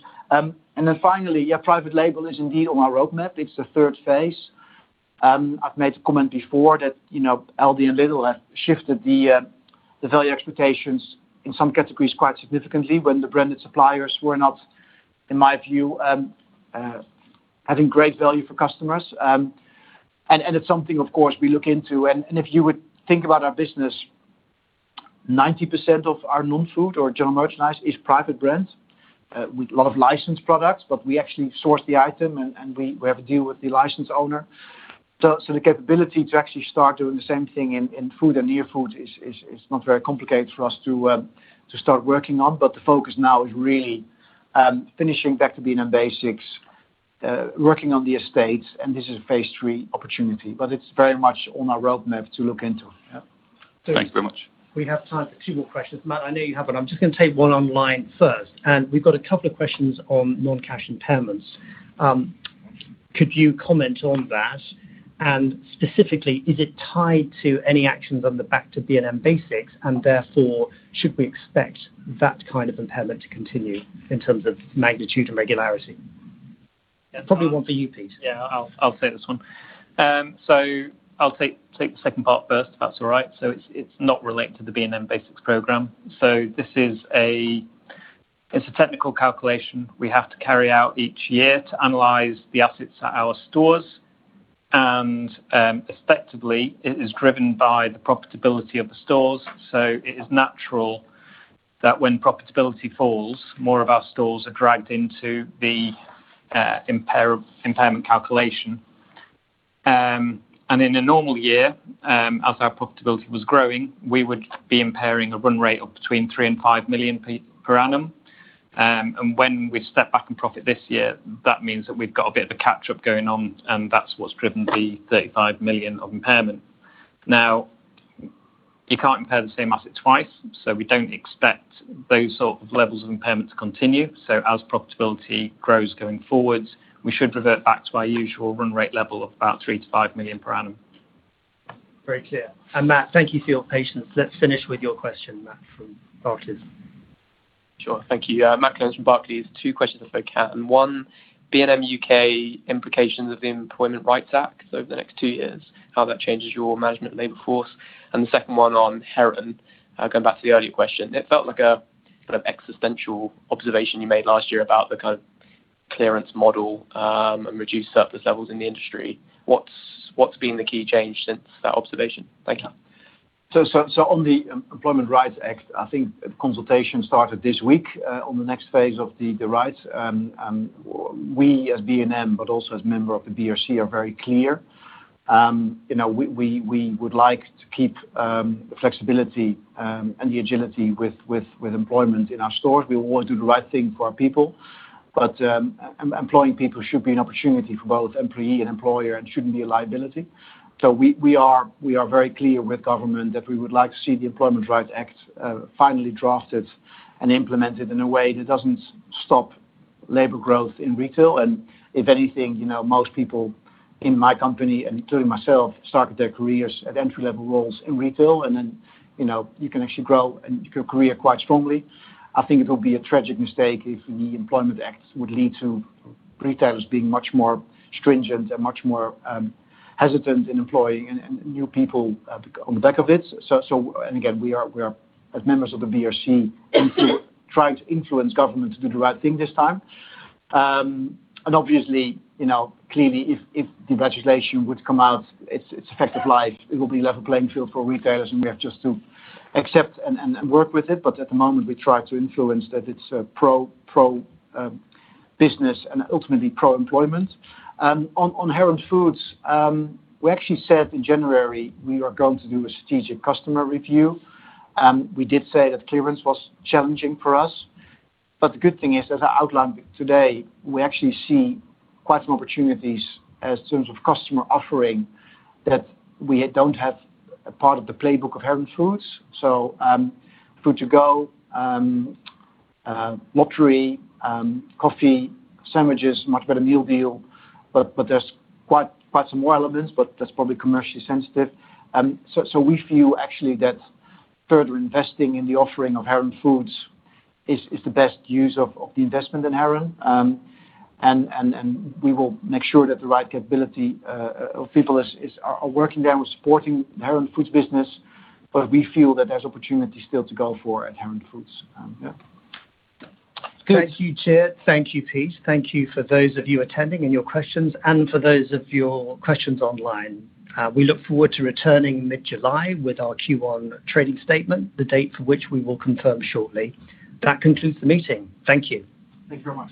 Finally, yeah, private label is indeed on our roadmap. It's the third phase. I've made a comment before that Aldi and Lidl have shifted the value expectations in some categories quite significantly when the branded suppliers were not, in my view, having great value for customers. It's something, of course, we look into. If you would think about our business, 90% of our non-food or general merchandise is private brand, with a lot of licensed products, but we actually source the item and we have a deal with the license owner. The capability to actually start doing the same thing in food and near food is not very complicated for us to start working on. The focus now is really finishing Back to B&M Basics, working on the estates, and this is a phase III opportunity. It's very much on our roadmap to look into. Thanks very much. We have time for two more questions. Matt, I know you have one. I'm just going to take one online first. We've got a couple of questions on non-cash impairments. Could you comment on that? Specifically, is it tied to any actions on the Back to B&M Basics? Therefore, should we expect that kind of impairment to continue in terms of magnitude and regularity? Probably one for you, Pete. Yeah, I'll take this one. I'll take the second part first, if that's all right. It's not related to the B&M Basics program. This is a technical calculation we have to carry out each year to analyze the assets at our stores. Effectively, it is driven by the profitability of the stores. It is natural that when profitability falls, more of our stores are dragged into the impairment calculation. In a normal year, as our profitability was growing, we would be impairing a run rate of between 3 million and 5 million per annum. When we've stepped back in profit this year, that means that we've got a bit of a catch-up going on, and that's what's driven the 35 million of impairment. You can't impair the same asset twice, so we don't expect those sorts of levels of impairment to continue. As profitability grows going forwards, we should revert back to our usual run rate level of about 3-5 million per annum. Very clear. Matt, thank you for your patience. Let's finish with your question, Matt, from Barclays. Sure. Thank you. Matt Collins from Barclays. Two questions if I can. One, B&M UK implications of the Employment Rights Act over the next two years, how that changes your management labor force. The second one on Heron, going back to the earlier question. It felt like a kind of existential observation you made last year about the kind of clearance model, and reduced surplus levels in the industry. What's been the key change since that observation? Thank you. On the Employment Rights Act, I think a consultation started this week on the next phase of the rights. We, as B&M, but also as a member of the BRC, are very clear. We would like to keep the flexibility and the agility with employment in our stores. We want to do the right thing for our people. Employing people should be an opportunity for both employee and employer and shouldn't be a liability. We are very clear with government that we would like to see the Employment Rights Act finally drafted and implemented in a way that doesn't stop labor growth in retail. If anything, most people in my company, including myself, started their careers at entry-level roles in retail, and then you can actually grow your career quite strongly. I think it will be a tragic mistake if the Employment Act would lead to retailers being much more stringent and much more hesitant in employing new people on the back of it. Again, we are, as members of the BRC, trying to influence government to do the right thing this time. Obviously, clearly, if the legislation would come out, its effective life, it will be a level playing field for retailers, and we have just to accept and work with it. At the moment, we try to influence that it's pro business and ultimately pro-employment. On Heron Foods, we actually said in January we are going to do a strategic customer review. We did say that clearance was challenging for us. The good thing is, as I outlined today, we actually see quite some opportunities in terms of customer offering that we don't have a part of the playbook of Heron Foods. Food to Go, lottery, coffee, sandwiches, much better meal deal. There's quite some more elements, but that's probably commercially sensitive. We feel actually that further investing in the offering of Heron Foods is the best use of the investment in Heron. We will make sure that the right capability of people are working there with supporting the Heron Foods business, but we feel that there's opportunity still to go for at Heron Foods. Yeah. Thank you, Tjeerd. Thank you, Pete. Thank you for those of you attending and your questions and for those of your questions online. We look forward to returning mid-July with our Q1 trading statement, the date for which we will confirm shortly. That concludes the meeting. Thank you. Thank you very much.